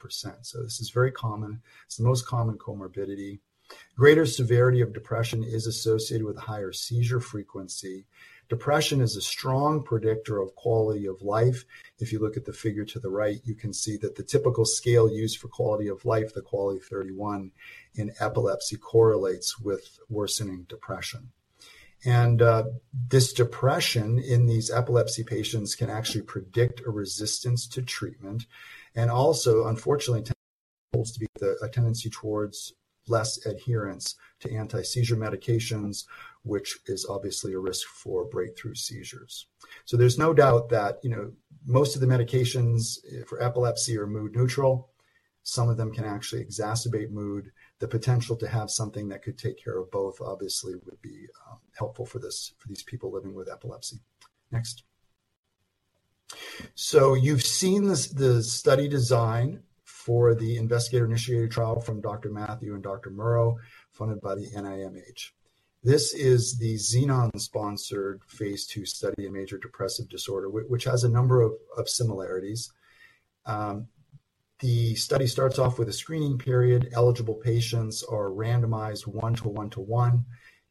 This is very common. It's the most common comorbidity. Greater severity of depression is associated with a higher seizure frequency. Depression is a strong predictor of quality of life. If you look at the figure to the right, you can see that the typical scale used for quality of life, the QOLIE-31, in epilepsy correlates with worsening depression. This depression in these epilepsy patients can actually predict a resistance to treatment, and also, unfortunately, tends to be a tendency towards less adherence to anti-seizure medications, which is obviously a risk for breakthrough seizures. So there's no doubt that, you know, most of the medications for epilepsy are mood neutral. Some of them can actually exacerbate mood. The potential to have something that could take care of both obviously would be helpful for these people living with epilepsy. Next. So you've seen this, the study design for the investigator-initiated trial from Dr. Mathew and Dr. Murrough, funded by the NIMH. This is the Xenon-sponsored phase II study in Major Depressive Disorder, which has a number of similarities. The study starts off with a screening period. Eligible patients are randomized one-to-one to one,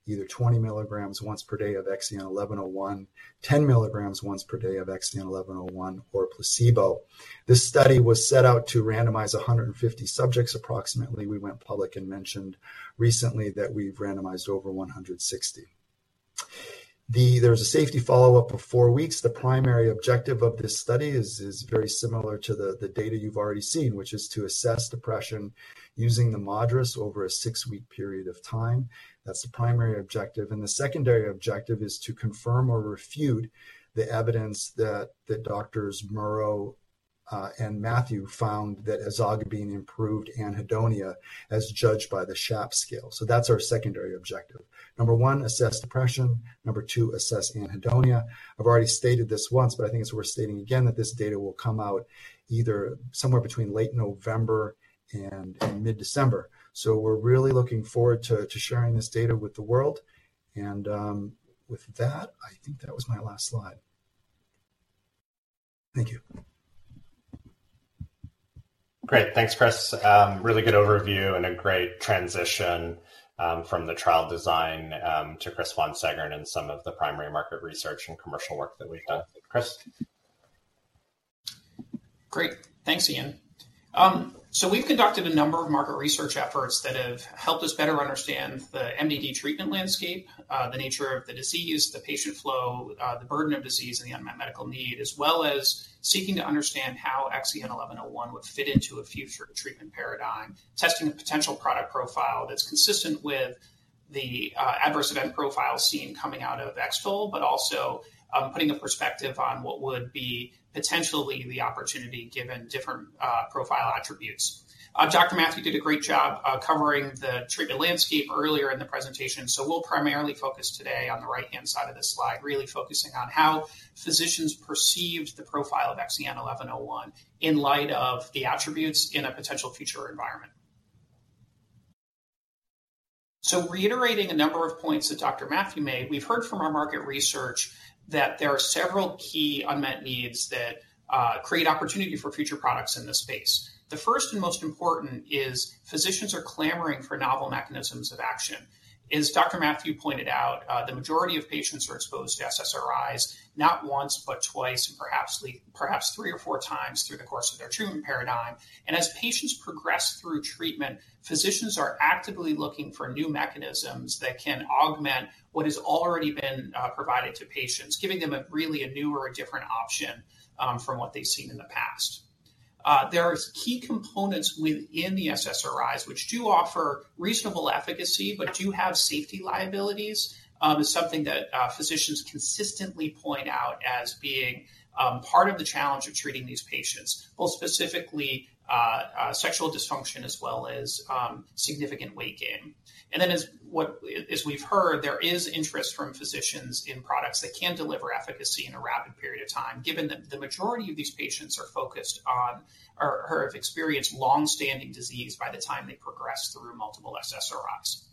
either 20 milligrams once per day of XEN1101, 10 milligrams once per day of XEN1101, or placebo. This study was set out to randomize 150 subjects approximately. We went public and mentioned recently that we've randomized over 160. There's a safety follow-up of four weeks. The primary objective of this study is very similar to the data you've already seen, which is to assess depression using the MADRS over a 6-week period of time. That's the primary objective, and the secondary objective is to confirm or refute the evidence that Doctors Murrough and Mathew found that ezogabine improved anhedonia, as judged by the SHAPS scale. So that's our secondary objective. Number one, assess depression. Number two, assess anhedonia. I've already stated this once, but I think it's worth stating again that this data will come out either somewhere between late November and mid-December. So we're really looking forward to sharing this data with the world. And with that, I think that was my last slide. Thank you. Great. Thanks, Chris. Really good overview and a great transition from the trial design to Chris von Seggern and some of the primary market research and commercial work that we've done. Chris? Great. Thanks, Ian. So we've conducted a number of market research efforts that have helped us better understand the MDD treatment landscape, the nature of the disease, the patient flow, the burden of disease, and the unmet medical need, as well as seeking to understand how XEN1101 would fit into a future treatment paradigm, testing the potential product profile that's consistent with the, adverse event profile seen coming out of X-TOLE, but also, putting a perspective on what would be potentially the opportunity given different, profile attributes. Dr. Mathew did a great job, covering the landscape earlier in the presentation. So we'll primarily focus today on the right-hand side of this slide, really focusing on how physicians perceived the profile of XEN1101 in light of the attributes in a potential future environment. So reiterating a number of points that Dr. Mathew made, we've heard from our market research that there are several key unmet needs that create opportunity for future products in this space. The first and most important is physicians are clamoring for novel mechanisms of action. As Dr. Mathew pointed out, the majority of patients are exposed to SSRIs, not once, but twice, and perhaps perhaps three or four times through the course of their treatment paradigm. And as patients progress through treatment, physicians are actively looking for new mechanisms that can augment what has already been provided to patients, giving them a really a new or a different option, from what they've seen in the past. There are key components within the SSRIs, which do offer reasonable efficacy, but do have safety liabilities. It's something that physicians consistently point out as being part of the challenge of treating these patients, most specifically, sexual dysfunction as well as significant weight gain. As we've heard, there is interest from physicians in products that can deliver efficacy in a rapid period of time, given that the majority of these patients are focused on or have experienced long-standing disease by the time they progress through multiple SSRIs.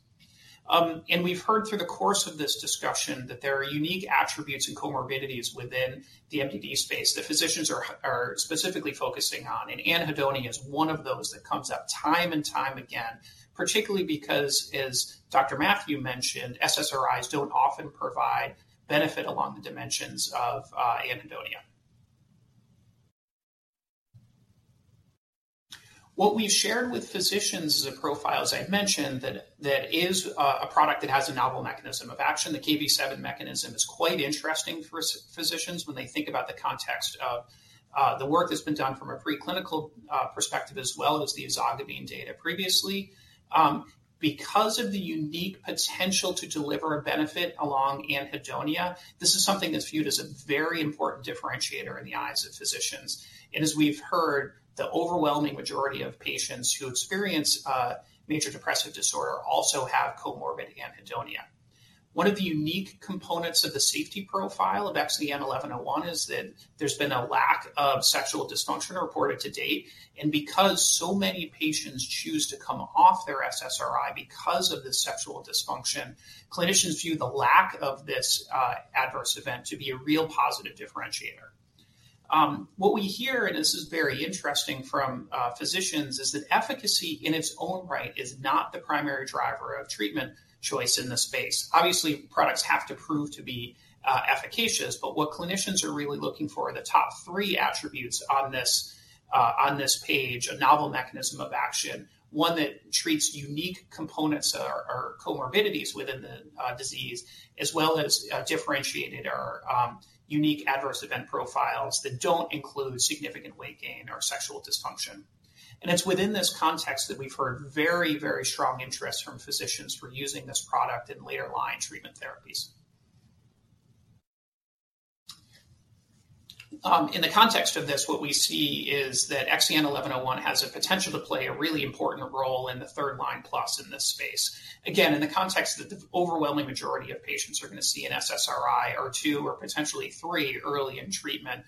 We've heard through the course of this discussion that there are unique attributes and comorbidities within the MDD space that physicians are specifically focusing on, and anhedonia is one of those that comes up time and time again, particularly because, as Dr. Mathew mentioned, SSRIs don't often provide benefit along the dimensions of anhedonia. What we've shared with physicians is a profile, as I've mentioned, that is a product that has a novel mechanism of action. The Kv7 mechanism is quite interesting for physicians when they think about the context of the work that's been done from a preclinical perspective, as well as the Ezogabine data previously. Because of the unique potential to deliver a benefit along anhedonia, this is something that's viewed as a very important differentiator in the eyes of physicians. And as we've heard, the overwhelming majority of patients who experience major depressive disorder also have comorbid anhedonia. One of the unique components of the safety profile of XEN1101 is that there's been a lack of sexual dysfunction reported to date, and because so many patients choose to come off their SSRI because of this sexual dysfunction, clinicians view the lack of this, adverse event to be a real positive differentiator. What we hear, and this is very interesting from, physicians, is that efficacy in its own right is not the primary driver of treatment choice in this space. Obviously, products have to prove to be, efficacious, but what clinicians are really looking for are the top three attributes on this, on this page: a novel mechanism of action, one that treats unique components or, or comorbidities within the, disease, as well as, differentiated or, unique adverse event profiles that don't include significant weight gain or sexual dysfunction. It's within this context that we've heard very, very strong interest from physicians for using this product in later-line treatment therapies. In the context of this, what we see is that XEN1101 has a potential to play a really important role in the third line plus in this space. Again, in the context that the overwhelming majority of patients are going to see an SSRI or two or potentially three early in treatment,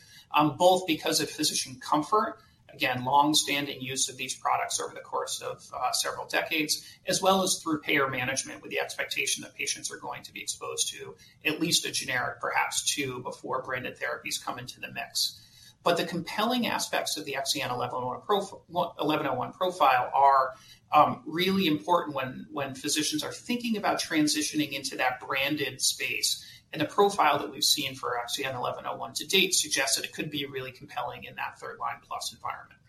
both because of physician comfort, again, long-standing use of these products over the course of several decades, as well as through payer management, with the expectation that patients are going to be exposed to at least a generic, perhaps two, before branded therapies come into the mix. But the compelling aspects of the XEN1101 profile are really important when physicians are thinking about transitioning into that branded space. And the profile that we've seen for XEN1101 to date suggests that it could be really compelling in that third line plus environment.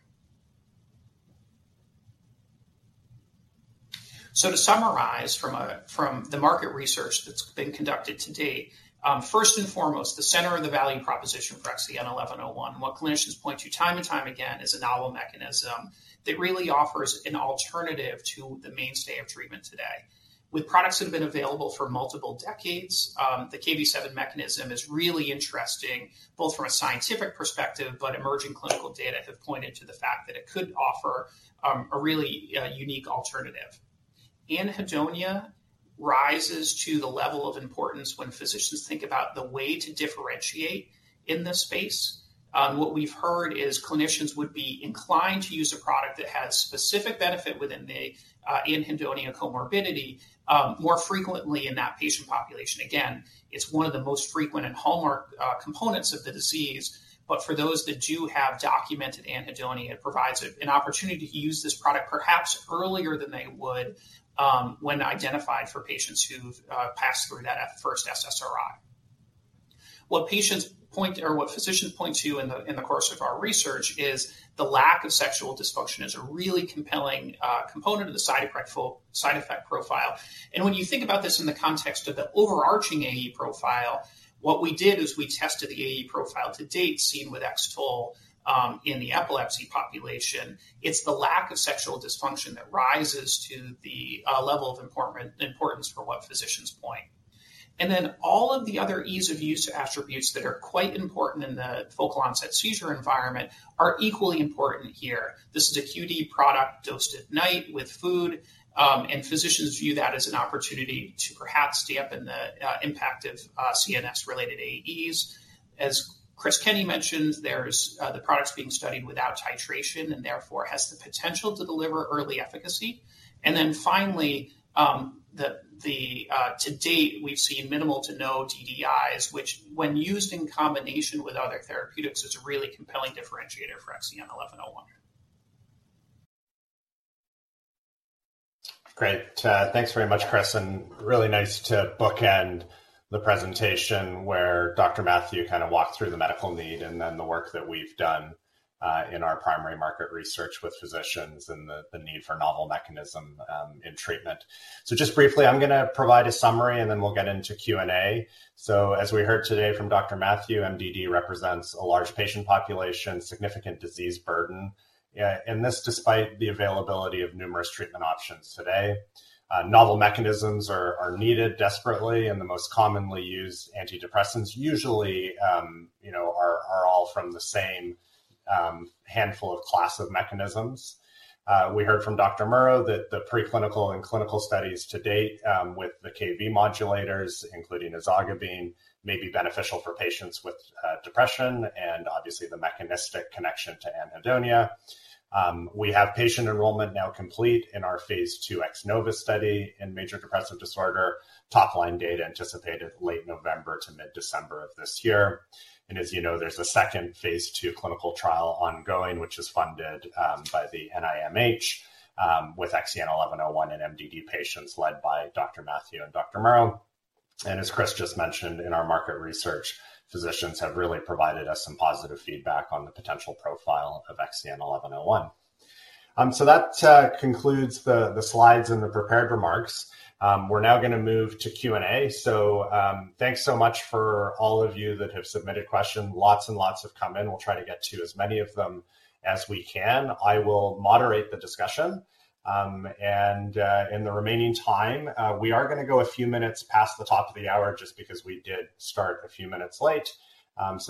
So to summarize from the market research that's been conducted to date, first and foremost, the center of the value proposition for XEN1101, and what clinicians point to time and time again, is a novel mechanism that really offers an alternative to the mainstay of treatment today. With products that have been available for multiple decades, the Kv7 mechanism is really interesting, both from a scientific perspective, but emerging clinical data have pointed to the fact that it could offer a really unique alternative. Anhedonia rises to the level of importance when physicians think about the way to differentiate in this space. What we've heard is clinicians would be inclined to use a product that has specific benefit within the anhedonia comorbidity more frequently in that patient population. Again, it's one of the most frequent and hallmark components of the disease, but for those that do have documented anhedonia, it provides an opportunity to use this product perhaps earlier than they would when identified for patients who've passed through that first SSRI. What patients point... or what physicians point to in the course of our research is the lack of sexual dysfunction is a really compelling component of the side effect profile. When you think about this in the context of the overarching AE profile, what we did is we tested the AE profile to date seen with X-TOLE in the epilepsy population. It's the lack of sexual dysfunction that rises to the level of importance for what physicians point. All of the other ease-of-use attributes that are quite important in the focal onset seizure environment are equally important here. This is a QD product dosed at night with food, and physicians view that as an opportunity to perhaps dampen the impact of CNS-related AEs. As Chris Kenney mentioned, the product is being studied without titration and therefore has the potential to deliver early efficacy. Finally, the... To date, we've seen minimal to no TDIs, which when used in combination with other therapeutics, is a really compelling differentiator for XEN1101. Great. Thanks very much, Chris, and really nice to bookend the presentation where Dr. Mathew kind of walked through the medical need and then the work that we've done in our primary market research with physicians and the need for novel mechanism in treatment. So just briefly, I'm gonna provide a summary, and then we'll get into Q&A. So as we heard today from Dr. Mathew, MDD represents a large patient population, significant disease burden, and this despite the availability of numerous treatment options today. Novel mechanisms are needed desperately, and the most commonly used antidepressants usually, you know, are all from the same handful of class of mechanisms. We heard from Dr. Murrough that the preclinical and clinical studies to date with the Kv7 modulators, including ezogabine, may be beneficial for patients with depression and obviously the mechanistic connection to anhedonia. We have patient enrollment now complete in our phase 2 X-NOVA study in major depressive disorder. Topline data anticipated late November to mid-December of this year. And as you know, there's a second phase 2 clinical trial ongoing, which is funded by the NIMH with XEN1101 and MDD patients, led by Dr. Mathew and Dr. Murrough. And as Chris just mentioned, in our market research, physicians have really provided us some positive feedback on the potential profile of XEN1101. So that concludes the slides and the prepared remarks. We're now gonna move to Q&A. So, thanks so much for all of you that have submitted questions. Lots and lots have come in. We'll try to get to as many of them as we can. I will moderate the discussion, and in the remaining time, we are gonna go a few minutes past the top of the hour just because we did start a few minutes late.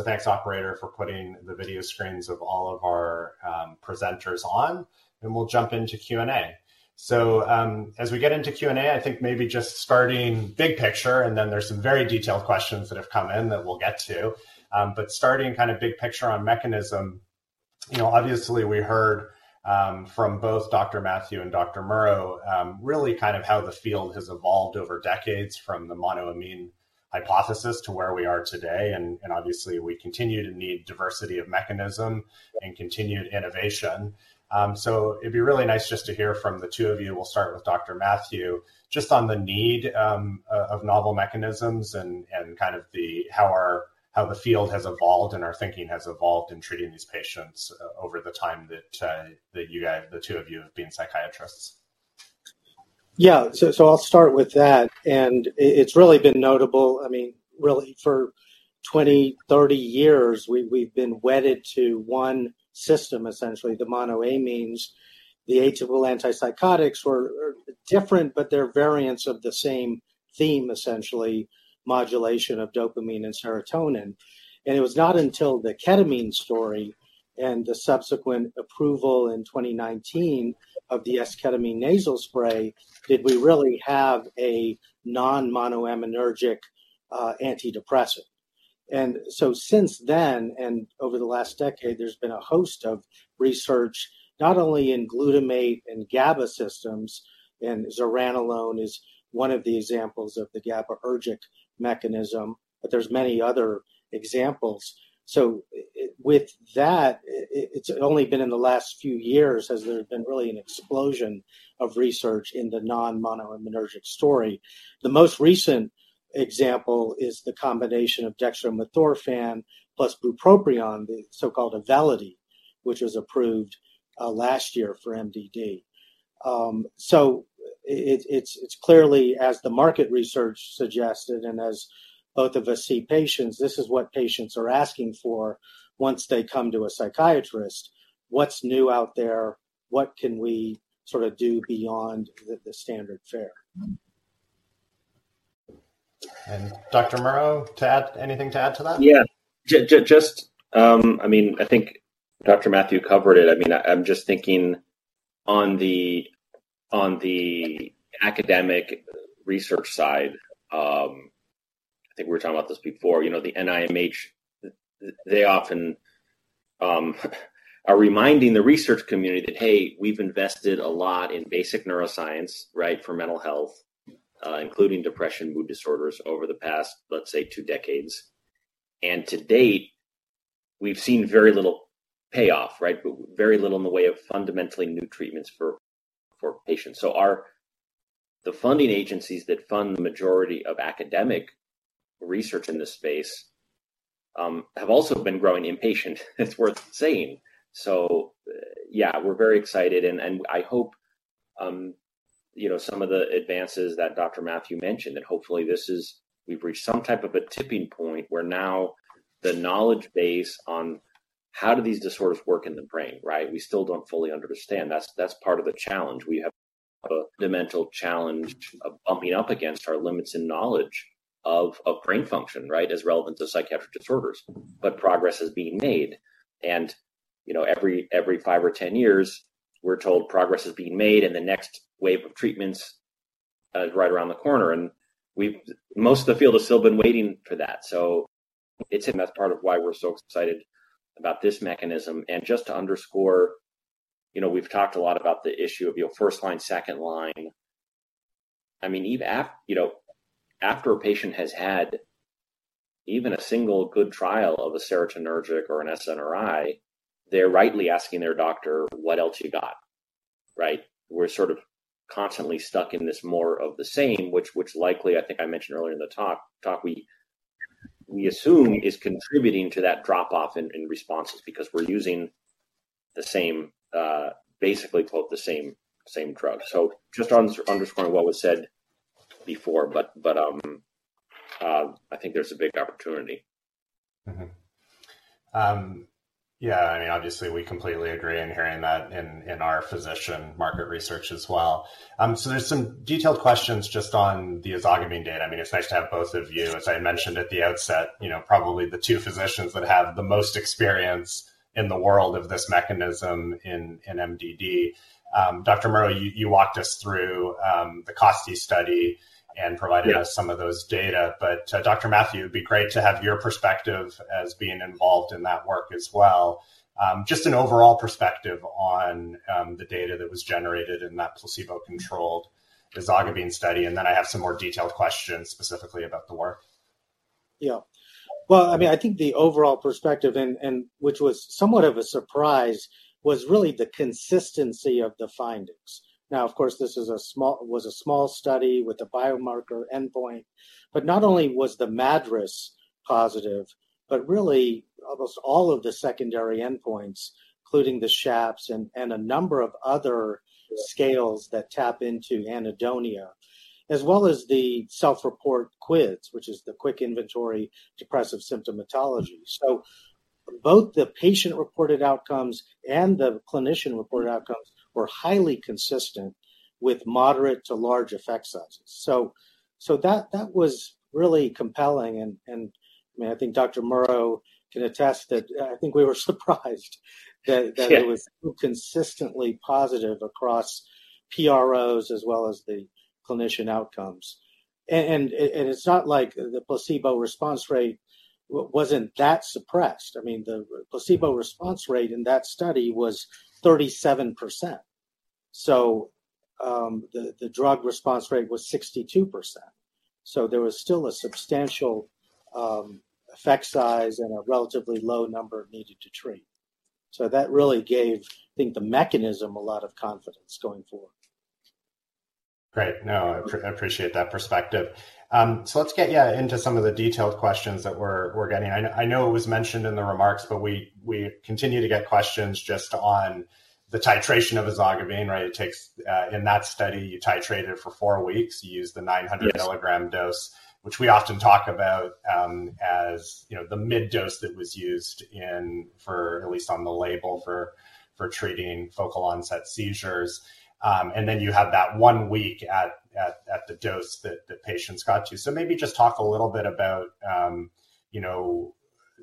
Thanks, operator, for putting the video screens of all of our presenters on, and we'll jump into Q&A. As we get into Q&A, I think maybe just starting big picture, and then there's some very detailed questions that have come in that we'll get to. But starting kind of big picture on mechanism... You know, obviously, we heard from both Dr. Mathew and Dr. Murrough, really kind of how the field has evolved over decades from the monoamine hypothesis to where we are today. And obviously, we continue to need diversity of mechanism and continued innovation. So it'd be really nice just to hear from the two of you. We'll start with Dr. Mathew, just on the need of novel mechanisms and kind of how the field has evolved and our thinking has evolved in treating these patients, over the time that you guys, the two of you, have been psychiatrists. Yeah. I'll start with that, and it's really been notable. I mean, really, for 20, 30 years, we've been wedded to one system, essentially, the monoamines. The atypical antipsychotics were different, but they're variants of the same theme, essentially, modulation of dopamine and serotonin. It was not until the ketamine story and the subsequent approval in 2019 of the esketamine nasal spray, did we really have a non-monoaminergic antidepressant. Since then, and over the last decade, there's been a host of research, not only in glutamate and GABA systems, and zuranolone is one of the examples of the GABAergic mechanism, but there's many other examples. With that, it's only been in the last few years, has there been really an explosion of research in the non-monoaminergic story. The most recent example is the combination of dextromethorphan plus bupropion, the so-called Auvelity, which was approved last year for MDD. So it's clearly, as the market research suggested, and as both of us see patients, this is what patients are asking for once they come to a psychiatrist. What's new out there? What can we sort of do beyond the standard fare? Dr. Murrough, to add, anything to add to that? Yeah. Just, I mean, I think Dr. Mathew covered it. I mean, I'm just thinking on the academic research side. I think we were talking about this before, you know, the NIMH. They often are reminding the research community that, "Hey, we've invested a lot in basic neuroscience, right, for mental health, including depression, mood disorders, over the past, let's say, two decades. And to date, we've seen very little payoff, right? Very little in the way of fundamentally new treatments for patients." So, the funding agencies that fund the majority of academic research in this space have also been growing impatient. It's worth saying. So, yeah, we're very excited, and I hope, you know, some of the advances that Dr. Mathew mentioned that hopefully this is-- we've reached some type of a tipping point, where now the knowledge base on how do these disorders work in the brain, right? We still don't fully understand. That's, that's part of the challenge. We have a fundamental challenge of bumping up against our limits in knowledge of, of brain function, right, as relevant to psychiatric disorders. Progress is being made. You know, every five or 10 years, we're told progress is being made, and the next wave of treatments is right around the corner, and we've-- most of the field has still been waiting for that. It's, and that's part of why we're so excited about this mechanism. Just to underscore, you know, we've talked a lot about the issue of your first line, second line. I mean, even you know, after a patient has had even a single good trial of a serotonergic or an SNRI, they're rightly asking their doctor, "What else you got?" Right? We're sort of constantly stuck in this more of the same, which likely, I think I mentioned earlier in the talk, we assume is contributing to that drop-off in responses because we're using the same, basically, quote, "the same, same drug." So just underscoring what was said before, I think there's a big opportunity. Mm-hmm. Yeah, Imean, obviously we completely agree in hearing that in our physician market research as well. So there's some detailed questions just on the ezogabine data. I mean, it's nice to have both of you. As I mentioned at the outset, you know, probably the two physicians that have the most experience in the world of this mechanism in MDD. Dr. Murrough, you walked us through the Costi study and provided- Yeah. us some of those data. But, Dr. Mathew, it'd be great to have your perspective as being involved in that work as well. Just an overall perspective on, the data that was generated in that placebo-controlled ezogabine study, and then I have some more detailed questions specifically about the work. Yeah. Well, I mean, I think the overall perspective, and which was somewhat of a surprise, was really the consistency of the findings. Now, of course, this was a small study with a biomarker endpoint, but not only was the MADRS positive, but really almost all of the secondary endpoints, including the SHAPS and a number of other scales that tap into anhedonia, as well as the self-report QIDS, which is the Quick Inventory of Depressive Symptomatology. Both the patient-reported outcomes and the clinician-reported outcomes were highly consistent with moderate to large effect sizes. That was really compelling, and, I mean, I think Dr. Murrough can attest that, I think we were surprised that- Yeah That it was consistently positive across PROs as well as the clinician outcomes. And it's not like the placebo response rate wasn't that suppressed. I mean, the placebo response rate in that study was 37%.... So, the drug response rate was 62%. So there was still a substantial effect size and a relatively low number needed to treat. So that really gave, I think, the mechanism a lot of confidence going forward. Great. No, I, I appreciate that perspective. So let's get, yeah, into some of the detailed questions that we're, we're getting. I know, I know it was mentioned in the remarks, but we, we continue to get questions just on the titration of Ezogabine, right? It takes... In that study, you titrated for four weeks. You used the 900- Yes... kilogram dose, which we often talk about, as you know, the mid dose that was used for at least on the label, for treating focal onset seizures. And then you have that one week at the dose that the patients got to. So maybe just talk a little bit about, you know,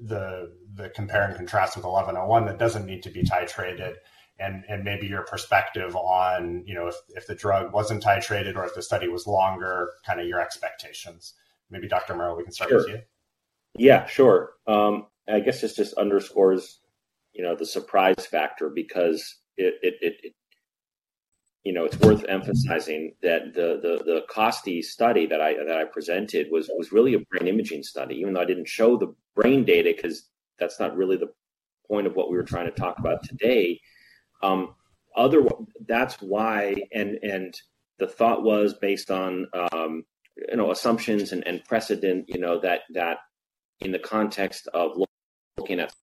the compare and contrast with 1101, that doesn't need to be titrated, and maybe your perspective on, you know, if the drug wasn't titrated or if the study was longer, kind of your expectations. Maybe Dr. Murrough, we can start with you. Sure. Yeah, sure. I guess this just underscores, you know, the surprise factor because it, you know, it's worth emphasizing that the Costi study that I presented was really a brain imaging study, even though I didn't show the brain data, because that's not really the point of what we were trying to talk about today. That's why... The thought was based on, you know, assumptions and precedent, you know, that in the context of looking at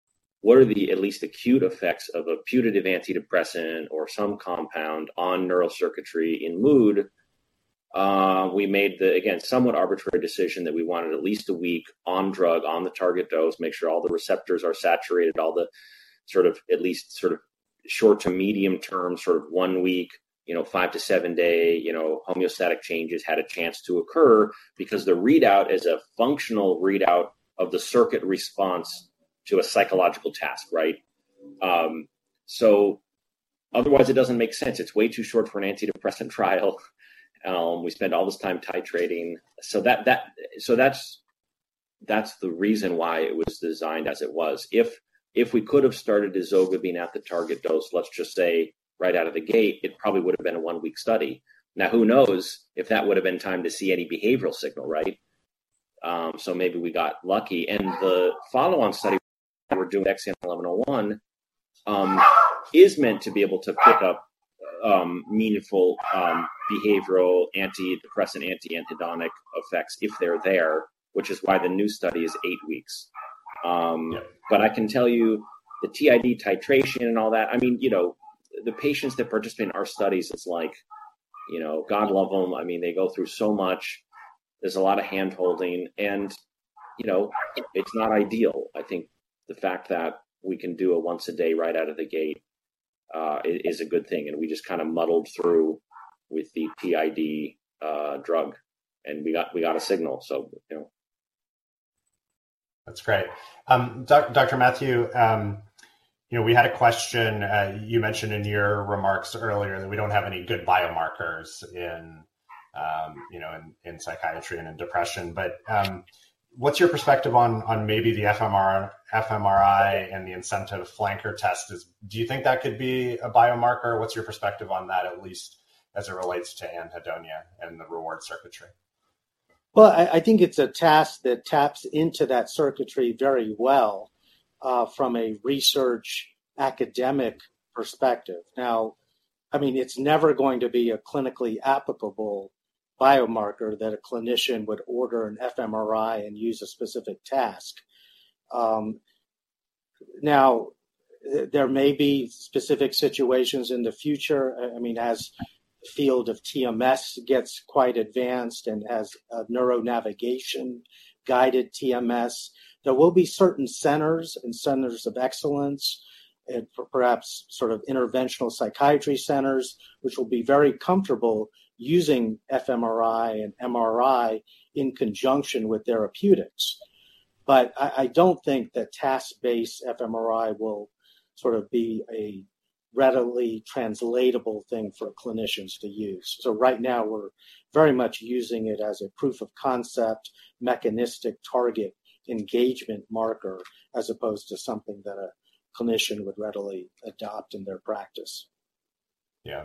what are the at least acute effects of a putative antidepressant or some compound on neural circuitry in mood, we made the, again, somewhat arbitrary decision that we wanted at least a week on drug, on the target dose, make sure all the receptors are saturated, all the sort of at least sort of short to medium term, sort of one week, you know, 5- to 7-day, you know, homeostatic changes had a chance to occur. Because the readout is a functional readout of the circuit response to a psychological task, right? So otherwise, it doesn't make sense. It's way too short for an antidepressant trial. We spend all this time titrating. So that's the reason why it was designed as it was. If we could have started Ezogabine at the target dose, let's just say, right out of the gate, it probably would have been a one-week study. Now, who knows if that would have been time to see any behavioral signal, right? So maybe we got lucky. And the follow-on study we're doing with XEN1101 is meant to be able to pick up meaningful behavioral antidepressant anhedonic effects if they're there, which is why the new study is eight weeks. But I can tell you, the TID titration and all that, I mean, you know, the patients that participate in our studies, it's like, you know, God love them. I mean, they go through so much. There's a lot of hand-holding, and, you know, it's not ideal. I think the fact that we can do a once a day right out of the gate is a good thing, and we just kind of muddled through with the TID drug, and we got a signal, so you know. That's great. Dr. Mathew, you know, we had a question. You mentioned in your remarks earlier that we don't have any good biomarkers in, you know, in psychiatry and in depression, but, what's your perspective on, on maybe the fMRI and the incentive flanker test? Do you think that could be a biomarker? What's your perspective on that, at least as it relates to anhedonia and the reward circuitry? Well, I, I think it's a task that taps into that circuitry very well, from a research academic perspective. Now, I mean, it's never going to be a clinically applicable biomarker that a clinician would order an fMRI and use a specific task. Now, there may be specific situations in the future, I mean, as the field of TMS gets quite advanced and as, neuro navigation guided TMS, there will be certain centers and centers of excellence, and perhaps sort of interventional psychiatry centers, which will be very comfortable using fMRI and MRI in conjunction with therapeutics. But I, I don't think that task-based fMRI will sort of be a readily translatable thing for clinicians to use. Right now, we're very much using it as a proof of concept, mechanistic target engagement marker, as opposed to something that a clinician would readily adopt in their practice. Yeah.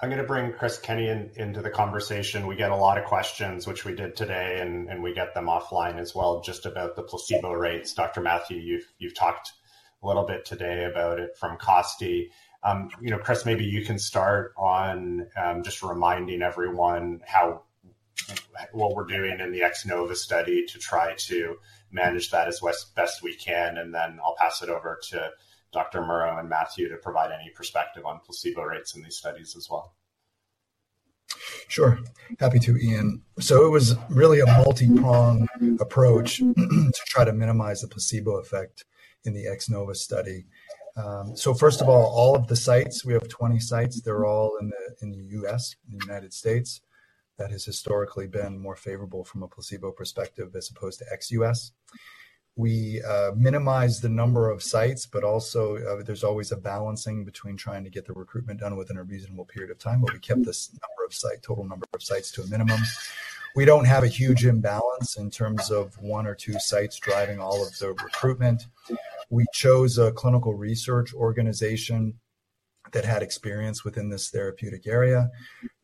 I'm going to bring Chris Kenney into the conversation. We get a lot of questions, which we did today, and we get them offline as well, just about the placebo rates. Dr. Mathew, you've talked a little bit today about it from COSTI. You know, Chris, maybe you can start on just reminding everyone what we're doing in the X-NOVA study to try to manage that as best we can, and then I'll pass it over to Dr. Murrough and Mathew to provide any perspective on placebo rates in these studies as well. Sure. Happy to, Ian. So it was really a multipronged approach to try to minimize the placebo effect in the X-NOVA study. So first of all, all of the sites, we have 20 sites. They're all in the, in the U.S., in the United States. That has historically been more favorable from a placebo perspective, as opposed to ex-U.S. We minimized the number of sites, but also, there's always a balancing between trying to get the recruitment done within a reasonable period of time, but we kept this number of site, total number of sites to a minimum. We don't have a huge imbalance in terms of one or two sites driving all of the recruitment. We chose a clinical research organization- That had experience within this therapeutic area.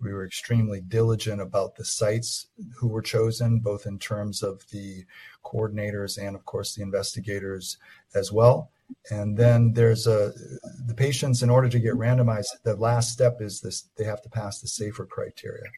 We were extremely diligent about the sites who were chosen, both in terms of the coordinators and, of course, the investigators as well. And then there's the patients, in order to get randomized, the last step is this: they have to pass the SAFER criteria.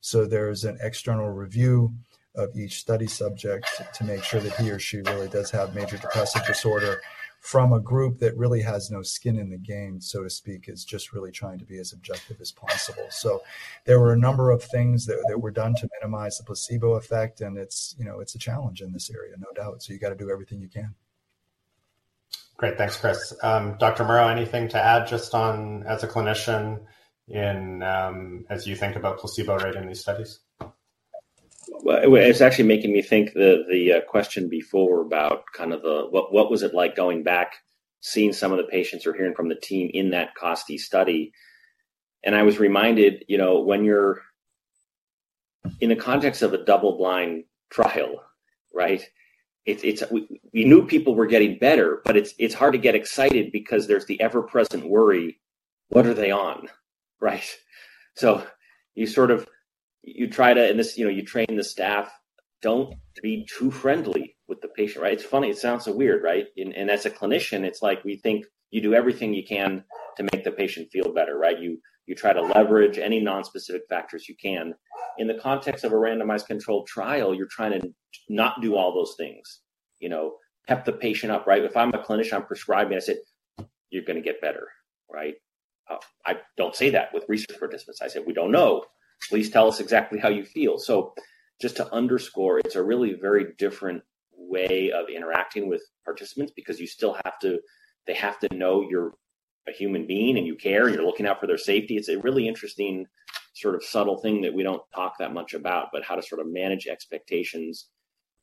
So there's an external review of each study subject to make sure that he or she really does have Major Depressive Disorder from a group that really has no skin in the game, so to speak, is just really trying to be as objective as possible. So there were a number of things that were done to minimize the placebo effect, and it's, you know, it's a challenge in this area, no doubt, so you got to do everything you can. Great. Thanks, Chris. Dr. Murrough, anything to add just on as a clinician in, as you think about placebo rate in these studies? Well, it's actually making me think the, the, question before about kind of the, what, what was it like going back, seeing some of the patients or hearing from the team in that Costi study? And I was reminded, you know, when you're in the context of a double-blind trial, right, it's - we knew people were getting better, but it's hard to get excited because there's the ever-present worry, what are they on, right? So you sort of. You try to, and this, you know, you train the staff, don't be too friendly with the patient, right? It's funny. It sounds so weird, right? And as a clinician, it's like, we think you do everything you can to make the patient feel better, right? You try to leverage any nonspecific factors you can. In the context of a randomized controlled trial, you're trying to not do all those things. You know, pep the patient up, right? If I'm a clinician, I'm prescribing, I say, "You're gonna get better," right? I don't say that with research participants. I say, "We don't know. Please tell us exactly how you feel." So just to underscore, it's a really very different way of interacting with participants because you still have to, they have to know you're a human being, and you care, and you're looking out for their safety. It's a really interesting, sort of, subtle thing that we don't talk that much about, but how to sort of manage expectations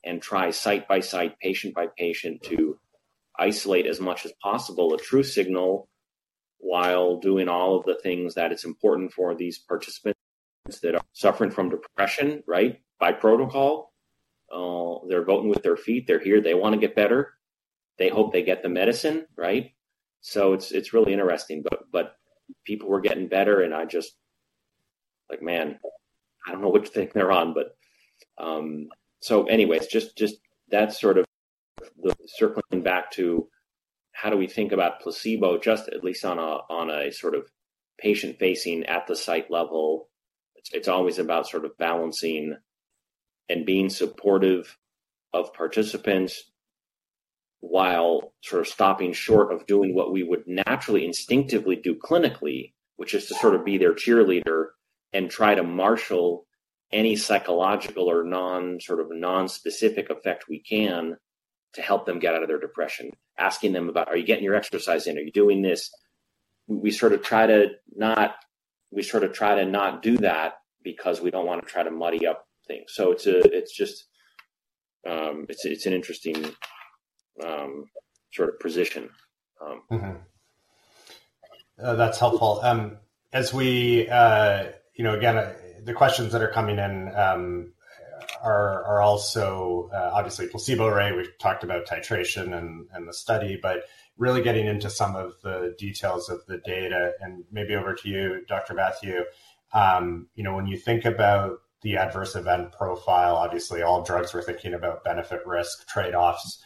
and try site by site, patient by patient, to isolate as much as possible a true signal while doing all of the things that it's important for these participants that are suffering from depression, right, by protocol. They're voting with their feet. They're here. They want to get better. They hope they get the medicine, right? So it's really interesting. But people were getting better, and I just like, "Man, I don't know which thing they're on," but, so anyways, just that's sort of the circling back to how do we think about placebo, just at least on a sort of patient-facing at the site level. It's always about sort of balancing and being supportive of participants while sort of stopping short of doing what we would naturally, instinctively do clinically, which is to sort of be their cheerleader and try to marshal any psychological or nonspecific effect we can to help them get out of their depression. Asking them about, "Are you getting your exercise in? Are you doing this?" We sort of try to not do that because we don't want to try to muddy up things. So it's just an interesting sort of position. Mm-hmm. That's helpful. As we, you know, again, the questions that are coming in, are also obviously placebo arm. We've talked about titration and the study, but really getting into some of the details of the data, and maybe over to you, Dr. Mathew. You know, when you think about the adverse event profile, obviously all drugs, we're thinking about benefit-risk trade-offs.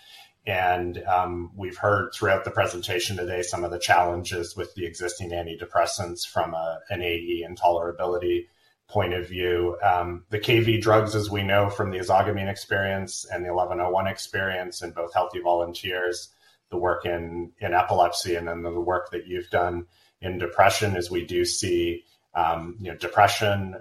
We've heard throughout the presentation today some of the challenges with the existing antidepressants from an AE intolerability point of view. The Kv drugs, as we know from the ezogabine experience and the 1101 experience in both healthy volunteers, the work in epilepsy, and then the work that you've done in depression, is we do see, you know, depression,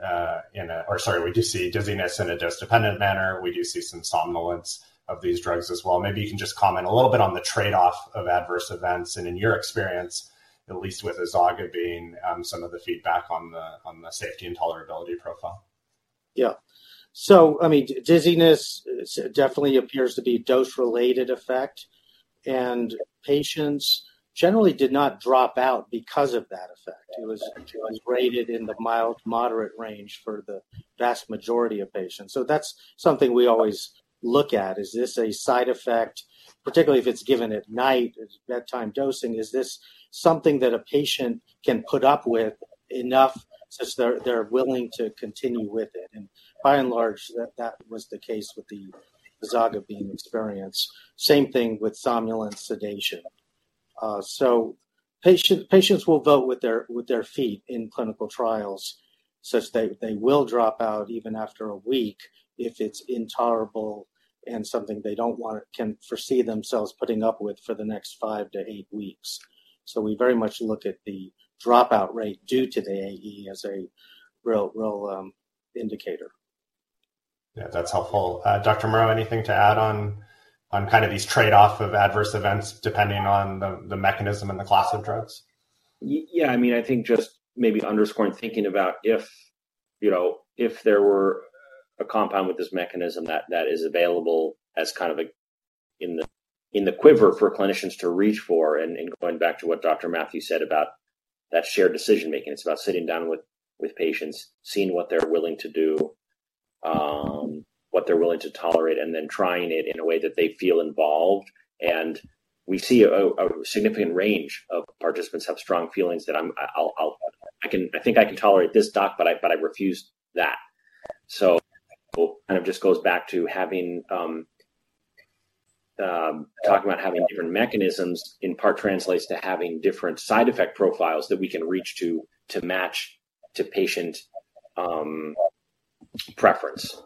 or sorry, we do see dizziness in a dose-dependent manner. We do see some somnolence of these drugs as well. Maybe you can just comment a little bit on the trade-off of adverse events and in your experience, at least with Ezogabine, some of the feedback on the safety and tolerability profile. Yeah. So, I mean, dizziness definitely appears to be dose-related effect, and patients generally did not drop out because of that effect. It was graded in the mild, moderate range for the vast majority of patients. So that's something we always look at: Is this a side effect, particularly if it's given at night, it's bedtime dosing, is this something that a patient can put up with enough since they're willing to continue with it? And by and large, that was the case with the Ezogabine experience. Same thing with somnolence sedation. So patients will vote with their feet in clinical trials, such they will drop out even after a week if it's intolerable and something they don't want to--can foresee themselves putting up with for the next 5-8 weeks. We very much look at the dropout rate due to the AE as a real, real, indicator. Yeah, that's helpful. Dr. Murrough, anything to add on kind of these trade-off of adverse events, depending on the mechanism and the class of drugs? Yeah, I mean, I think just maybe underscoring, thinking about if, you know, if there were a compound with this mechanism that is available as kind of a in the quiver for clinicians to reach for, and going back to what Dr. Mathew said about that shared decision-making. It's about sitting down with patients, seeing what they're willing to do, what they're willing to tolerate, and then trying it in a way that they feel involved. And we see a significant range of participants have strong feelings that I think I can tolerate this doc, but I refuse that. So it kind of just goes back to having talking about having different mechanisms, in part translates to having different side effect profiles that we can reach to, to match to patient preference.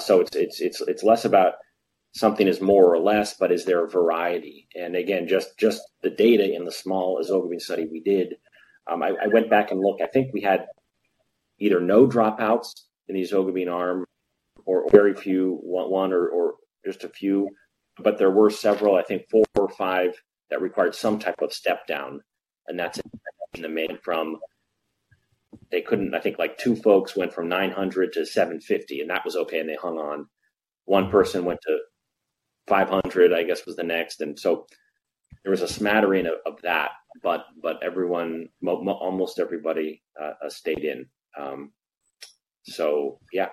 So it's less about something is more or less, but is there a variety? And again, just the data in the small Ezogabine study we did, I went back and looked. I think we had either no dropouts in the Ezogabine arm or very few, one or just a few, but there were several, I think four or five, that required some type of step down, and that's made from... They couldn't-- I think, like, two folks went from 900 to 750, and that was okay, and they hung on. One person went to 500, I guess, was the next. And so there was a smattering of that, but almost everybody stayed in. So yeah.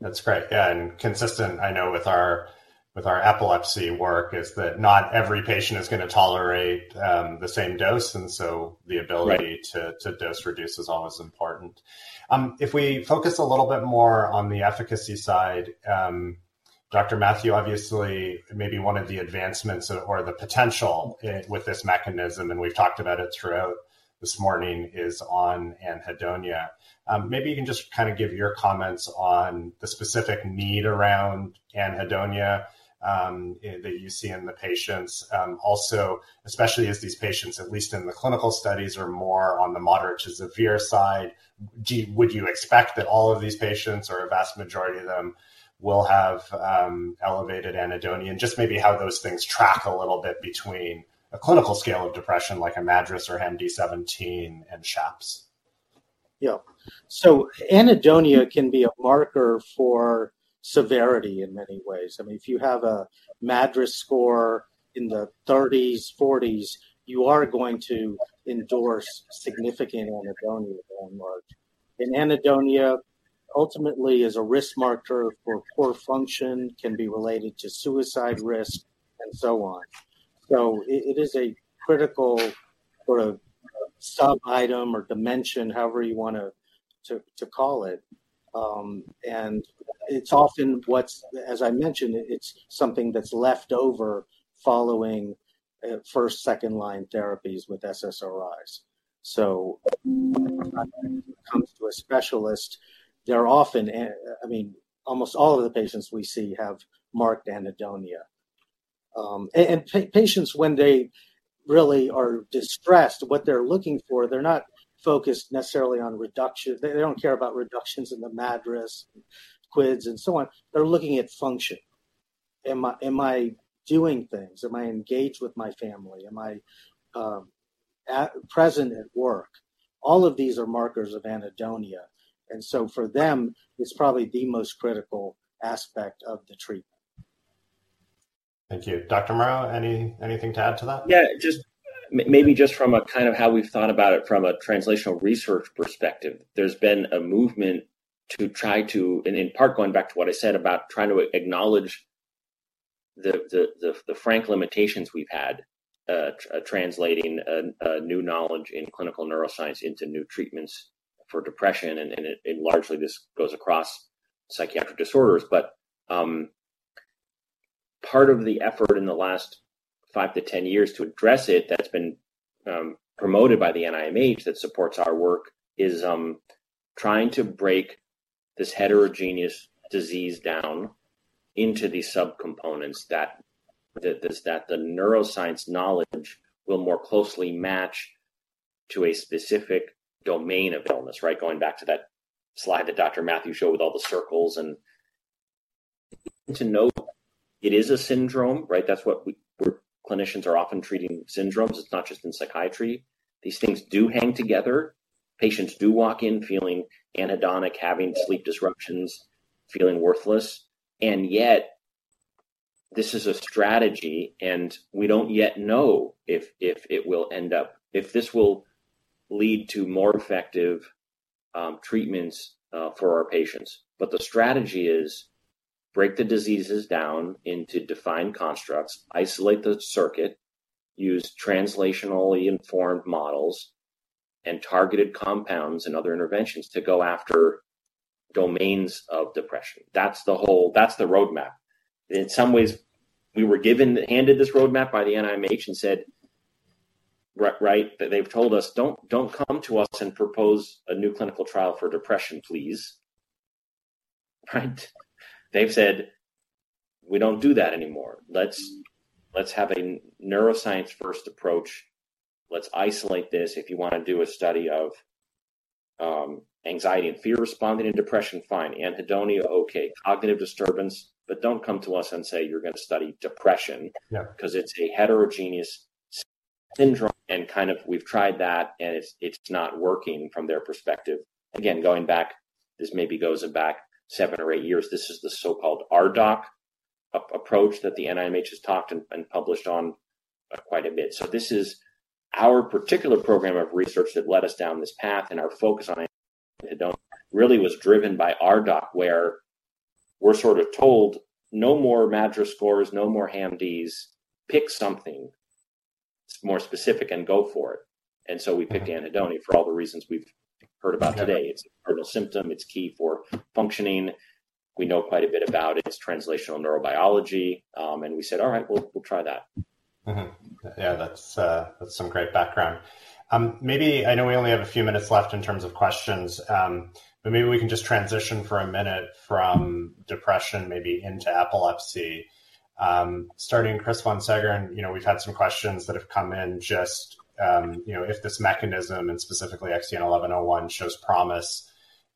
That's great. Yeah, and consistent, I know with our, with our epilepsy work, is that not every patient is going to tolerate, the same dose, and so the ability- Right. To dose reduce is always important. If we focus a little bit more on the efficacy side, Dr. Mathew, obviously, maybe one of the advancements or the potential with this mechanism, and we've talked about it throughout this morning, is on anhedonia. Maybe you can just give your comments on the specific need around anhedonia that you see in the patients. Also, especially as these patients, at least in the clinical studies, are more on the moderate to severe side. Do you-- would you expect that all of these patients or a vast majority of them will have elevated anhedonia? And just maybe how those things track a little bit between a clinical scale of depression, like a MADRS or HAM-D17 and SHAPS. Yeah. Anhedonia can be a marker for severity in many ways. I mean, if you have a MADRS score in the 30s, 40s, you are going to endorse significant anhedonia hallmark. And anhedonia, ultimately, is a risk marker for poor function, can be related to suicide risk, and so on. It is a critical sort of subitem or dimension, however you want to call it. It's often what's... As I mentioned, it's something that's left over following first, second-line therapies with SSRIs. When it comes to a specialist, they're often, I mean, almost all of the patients we see have marked anhedonia. Patients, when they really are distressed, what they're looking for, they're not focused necessarily on reduction. They don't care about reductions in the MADRS, QIDS, and so on. They're looking at function. Am I, am I doing things? Am I engaged with my family? Am I present at work? All of these are markers of anhedonia, and so for them, it's probably the most critical aspect of the treatment. Thank you. Dr. Murrough, anything to add to that? Yeah, just maybe just from a kind of how we've thought about it from a translational research perspective. There's been a movement to try to, and in part, going back to what I said about trying to acknowledge the frank limitations we've had translating new knowledge in clinical neuroscience into new treatments for depression, and largely this goes across psychiatric disorders. But, part of the effort in the last five to 10 years to address it, that's been promoted by the NIMH that supports our work, is trying to break this heterogeneous disease down into the subcomponents, that the neuroscience knowledge will more closely match to a specific domain of illness, right? Going back to that slide that Dr. Mathew showed with all the circles. And to note, it is a syndrome, right? That's what we-- clinicians are often treating syndromes. It's not just in psychiatry. These things do hang together. Patients do walk in feeling anhedonic, having sleep disruptions, feeling worthless. Yet, this is a strategy, and we don't yet know if this will lead to more effective treatments for our patients. The strategy is break the diseases down into defined constructs, isolate the circuit, use translationally informed models and targeted compounds and other interventions to go after domains of depression. That's the whole-- that's the roadmap. In some ways, we were given, handed this roadmap by the NIMH and said, right? They've told us, "Don't, don't come to us and propose a new clinical trial for depression, please." Right? They've said, "We don't do that anymore. Let's, let's have a neuroscience-first approach. Let's isolate this. If you want to do a study of anxiety and fear responding to depression, fine. Anhedonia, okay, cognitive disturbance. But don't come to us and say you're going to study depression- Yeah. Because it's a heterogeneous syndrome, and kind of we've tried that, and it's, it's not working from their perspective." Again, going back, this maybe goes back seven or eight years. This is the so-called RDoC. An approach that the NIMH has talked and published on quite a bit. So this is our particular program of research that led us down this path, and our focus on anhedonia really was driven by RDoC, where we're sort of told, "No more MADRS scores, no more HAM-Ds. Pick something more specific and go for it." And so we picked anhedonia for all the reasons we've heard about today. Yeah. It's a cardinal symptom, it's key for functioning. We know quite a bit about its translational neurobiology. And we said, "All right, we'll, we'll try that. Yeah, that's some great background. Maybe I know we only have a few minutes left in terms of questions, but maybe we can just transition for a minute from depression, maybe into epilepsy. Starting Chris von Seggern, you know, we've had some questions that have come in just, you know, if this mechanism and specifically XEN1101 shows promise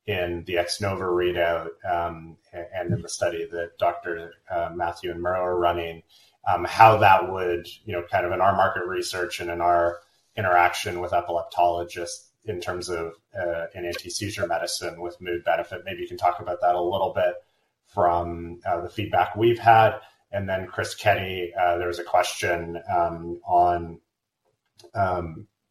in the X-NOVA readout, and in the study that Dr. Mathew and Murrough are running, how that would, you know, kind of in our market research and in our interaction with epileptologists in terms of an anti-seizure medicine with mood benefit. Maybe you can talk about that a little bit from the feedback we've had. And then, Chris Kenney, there was a question on,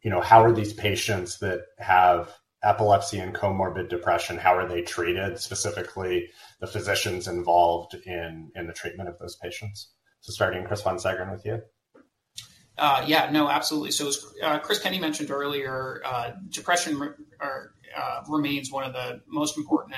you know, how are these patients that have epilepsy and comorbid depression, how are they treated, specifically the physicians involved in the treatment of those patients? So starting, Chris von Seggern, with you. Yeah. No, absolutely. So as Chris Kenney mentioned earlier, depression remains one of the most important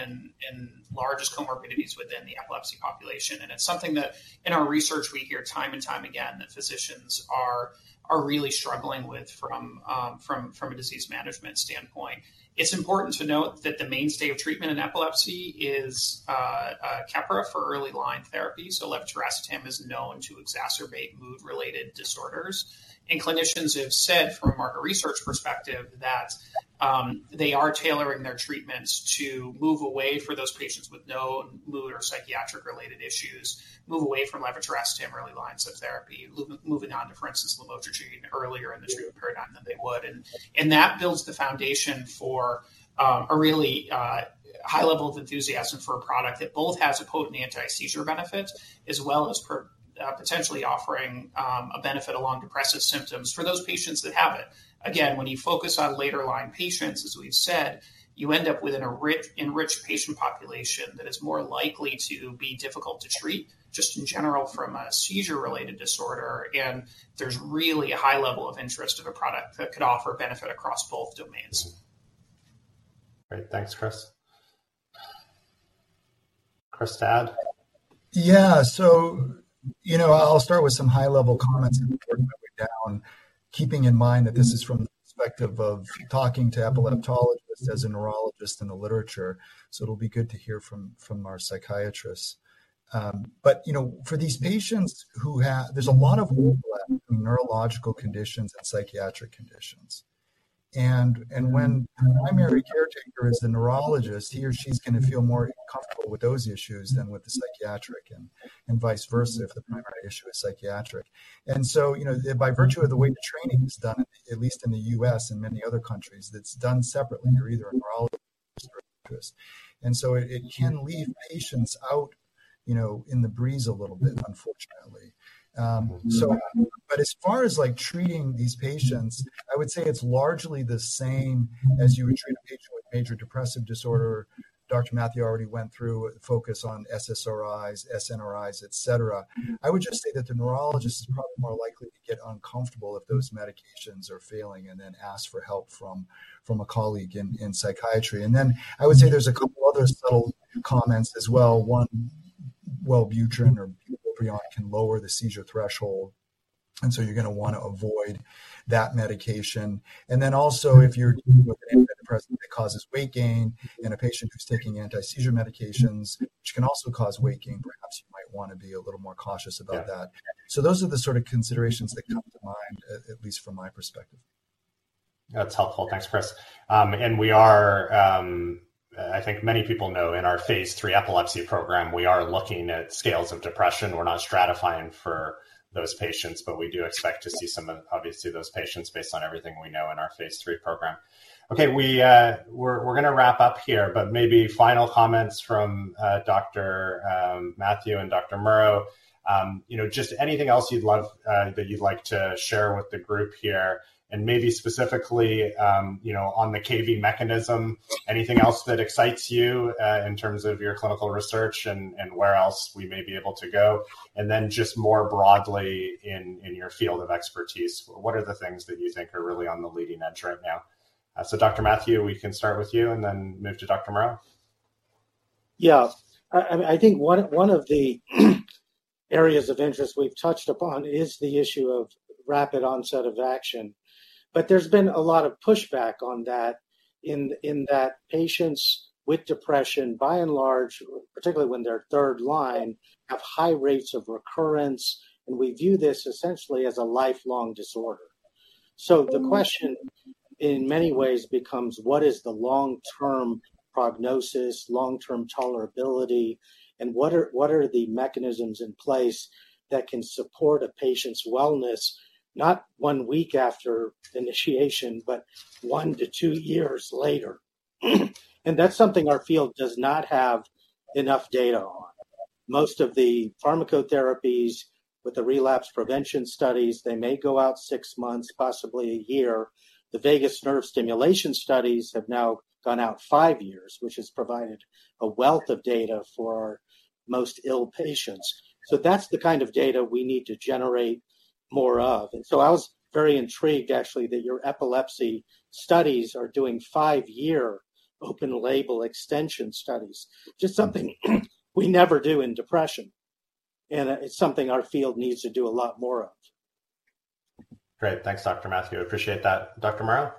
and largest comorbidities within the epilepsy population. And it's something that in our research, we hear time and time again, that physicians are really struggling with from a disease management standpoint. It's important to note that the mainstay of treatment in epilepsy is Keppra for early line therapy, so levetiracetam is known to exacerbate mood-related disorders. And clinicians have said, from a market research perspective, that they are tailoring their treatments to move away for those patients with no mood or psychiatric-related issues, move away from levetiracetam early lines of therapy, moving on to, for instance, lamotrigine, earlier in the treatment paradigm than they would. And that builds the foundation for a really high level of enthusiasm for a product that both has a potent anti-seizure benefit, as well as potentially offering a benefit along depressive symptoms for those patients that have it. Again, when you focus on later line patients, as we've said, you end up with a rich, enriched patient population that is more likely to be difficult to treat, just in general from a seizure-related disorder. And there's really a high level of interest of a product that could offer benefit across both domains. Great. Thanks, Chris. Chris thoughts Yeah. You know, I'll start with some high-level comments and work my way down, keeping in mind that this is from the perspective of talking to epileptologists as a neurologist in the literature, so it'll be good to hear from our psychiatrists. You know, for these patients who ha- there's a lot of overlap between neurological conditions and psychiatric conditions. When the primary caretaker is the neurologist, he or she's gonna feel more comfortable with those issues than with the psychiatric, and vice versa if the primary issue is psychiatric. You know, by virtue of the way the training is done, at least in the U.S. and many other countries, it's done separately. You're either a neurologist or a psychiatrist. It can leave patients out, you know, in the breeze a little bit, unfortunately. So but as far as, like, treating these patients, I would say it's largely the same as you would treat a patient with major depressive disorder. Dr. Mathew already went through a focus on SSRIs, SNRIs, et cetera. I would just say that the neurologist is probably more likely to get uncomfortable if those medications are failing, and then ask for help from a colleague in psychiatry. And then I would say there's a couple other subtle comments as well. One, Wellbutrin or bupropion can lower the seizure threshold, and so you're gonna wanna avoid that medication. And then also, if you're dealing with an antidepressant that causes weight gain in a patient who's taking anti-seizure medications, which can also cause weight gain, perhaps you might wanna be a little more cautious about that. Yeah. So those are the sort of considerations that come to mind, at least from my perspective. That's helpful. Thanks, Chris. And we are, I think many people know in our phase III epilepsy program, we are looking at scales of depression. We're not stratifying for those patients, but we do expect to see some of, obviously, those patients based on everything we know in our phase III program. Okay, we're gonna wrap up here, but maybe final comments from Dr. Mathew and Dr. Murrough. You know, just anything else you'd love that you'd like to share with the group here, and maybe specifically, you know, on the KV mechanism, anything else that excites you in terms of your clinical research and where else we may be able to go? Just more broadly, in your field of expertise, what are the things that you think are really on the leading edge right now? Dr. Mathew, we can start with you and then move to Dr. Murrough. Yeah. I think one of the areas of interest we've touched upon is the issue of rapid onset of action. But there's been a lot of pushback on that, in that patients with depression, by and large, particularly when they're third line, have high rates of recurrence, and we view this essentially as a lifelong disorder. So the question, in many ways, becomes: What is the long-term prognosis, long-term tolerability, and what are the mechanisms in place that can support a patient's wellness, not one week after initiation, but one to two years later? That's something our field does not have enough data on. Most of the pharmacotherapies with the relapse prevention studies, they may go out 6 months, possibly a year. The vagus nerve stimulation studies have now gone out five years, which has provided a wealth of data for most ill patients. So that's the kind of data we need to generate more of. And so I was very intrigued, actually, that your epilepsy studies are doing five-year open-label extension studies, just something we never do in depression, and it's something our field needs to do a lot more of. Great. Thanks, Dr. Mathew. I appreciate that. Dr. Murrough?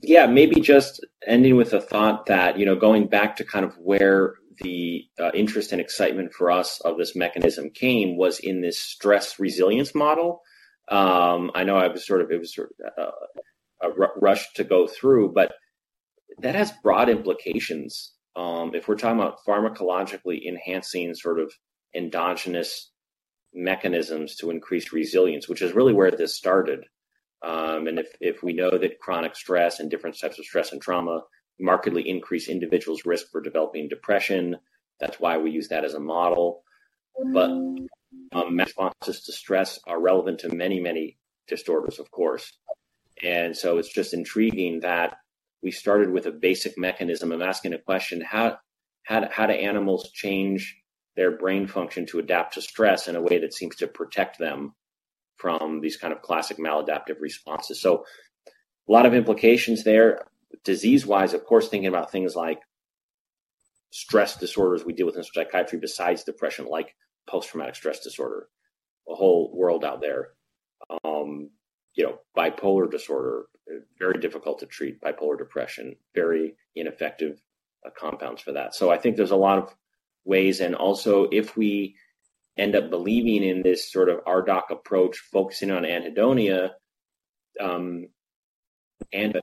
Yeah, maybe just ending with a thought that, you know, going back to kind of where the interest and excitement for us of this mechanism came was in this stress resilience model. I know I was sort of—it was sort of a rushed to go through, but that has broad implications. If we're talking about pharmacologically enhancing sort of endogenous mechanisms to increase resilience, which is really where this started. And if, if we know that chronic stress and different types of stress and trauma markedly increase individuals' risk for developing depression, that's why we use that as a model. But responses to stress are relevant to many, many disorders, of course. It's just intriguing that we started with a basic mechanism of asking a question: How, how, how do animals change their brain function to adapt to stress in a way that seems to protect them from these kind of classic maladaptive responses? A lot of implications there. Disease-wise, of course, thinking about things like stress disorders we deal with in psychiatry besides depression, like post-traumatic stress disorder, a whole world out there. You know, bipolar disorder, very difficult to treat, bipolar depression, very ineffective, compounds for that. I think there's a lot of ways. Also, if we end up believing in this sort of RDoC approach, focusing on anhedonia, and,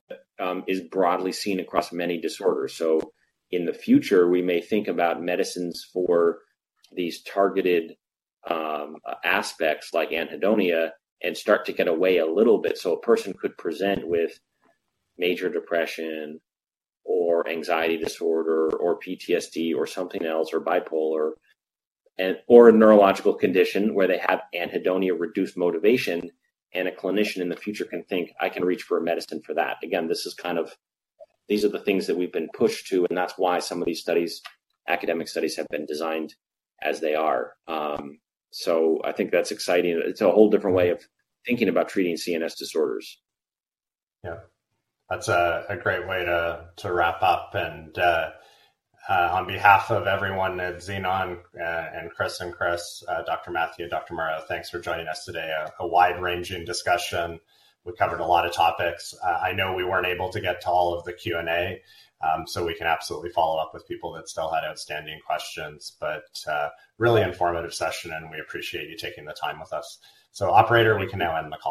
is broadly seen across many disorders. In the future, we may think about medicines for these targeted, aspects like anhedonia, and start to get away a little bit. So a person could present with major depression, or anxiety disorder, or PTSD, or something else, or bipolar, or a neurological condition where they have anhedonia, reduced motivation, and a clinician in the future can think, "I can reach for a medicine for that." Again, these are the things that we've been pushed to, and that's why some of these studies, academic studies, have been designed as they are. So I think that's exciting, and it's a whole different way of thinking about treating CNS disorders. Yeah, that's a great way to wrap up. On behalf of everyone at Xenon, and Chris and Chris, Dr. Mathew, and Dr. Murrough, thanks for joining us today. A wide-ranging discussion. We covered a lot of topics. I know we weren't able to get to all of the Q&A, so we can absolutely follow up with people that still had outstanding questions, but really informative session, and we appreciate you taking the time with us. Operator, we can now end the call.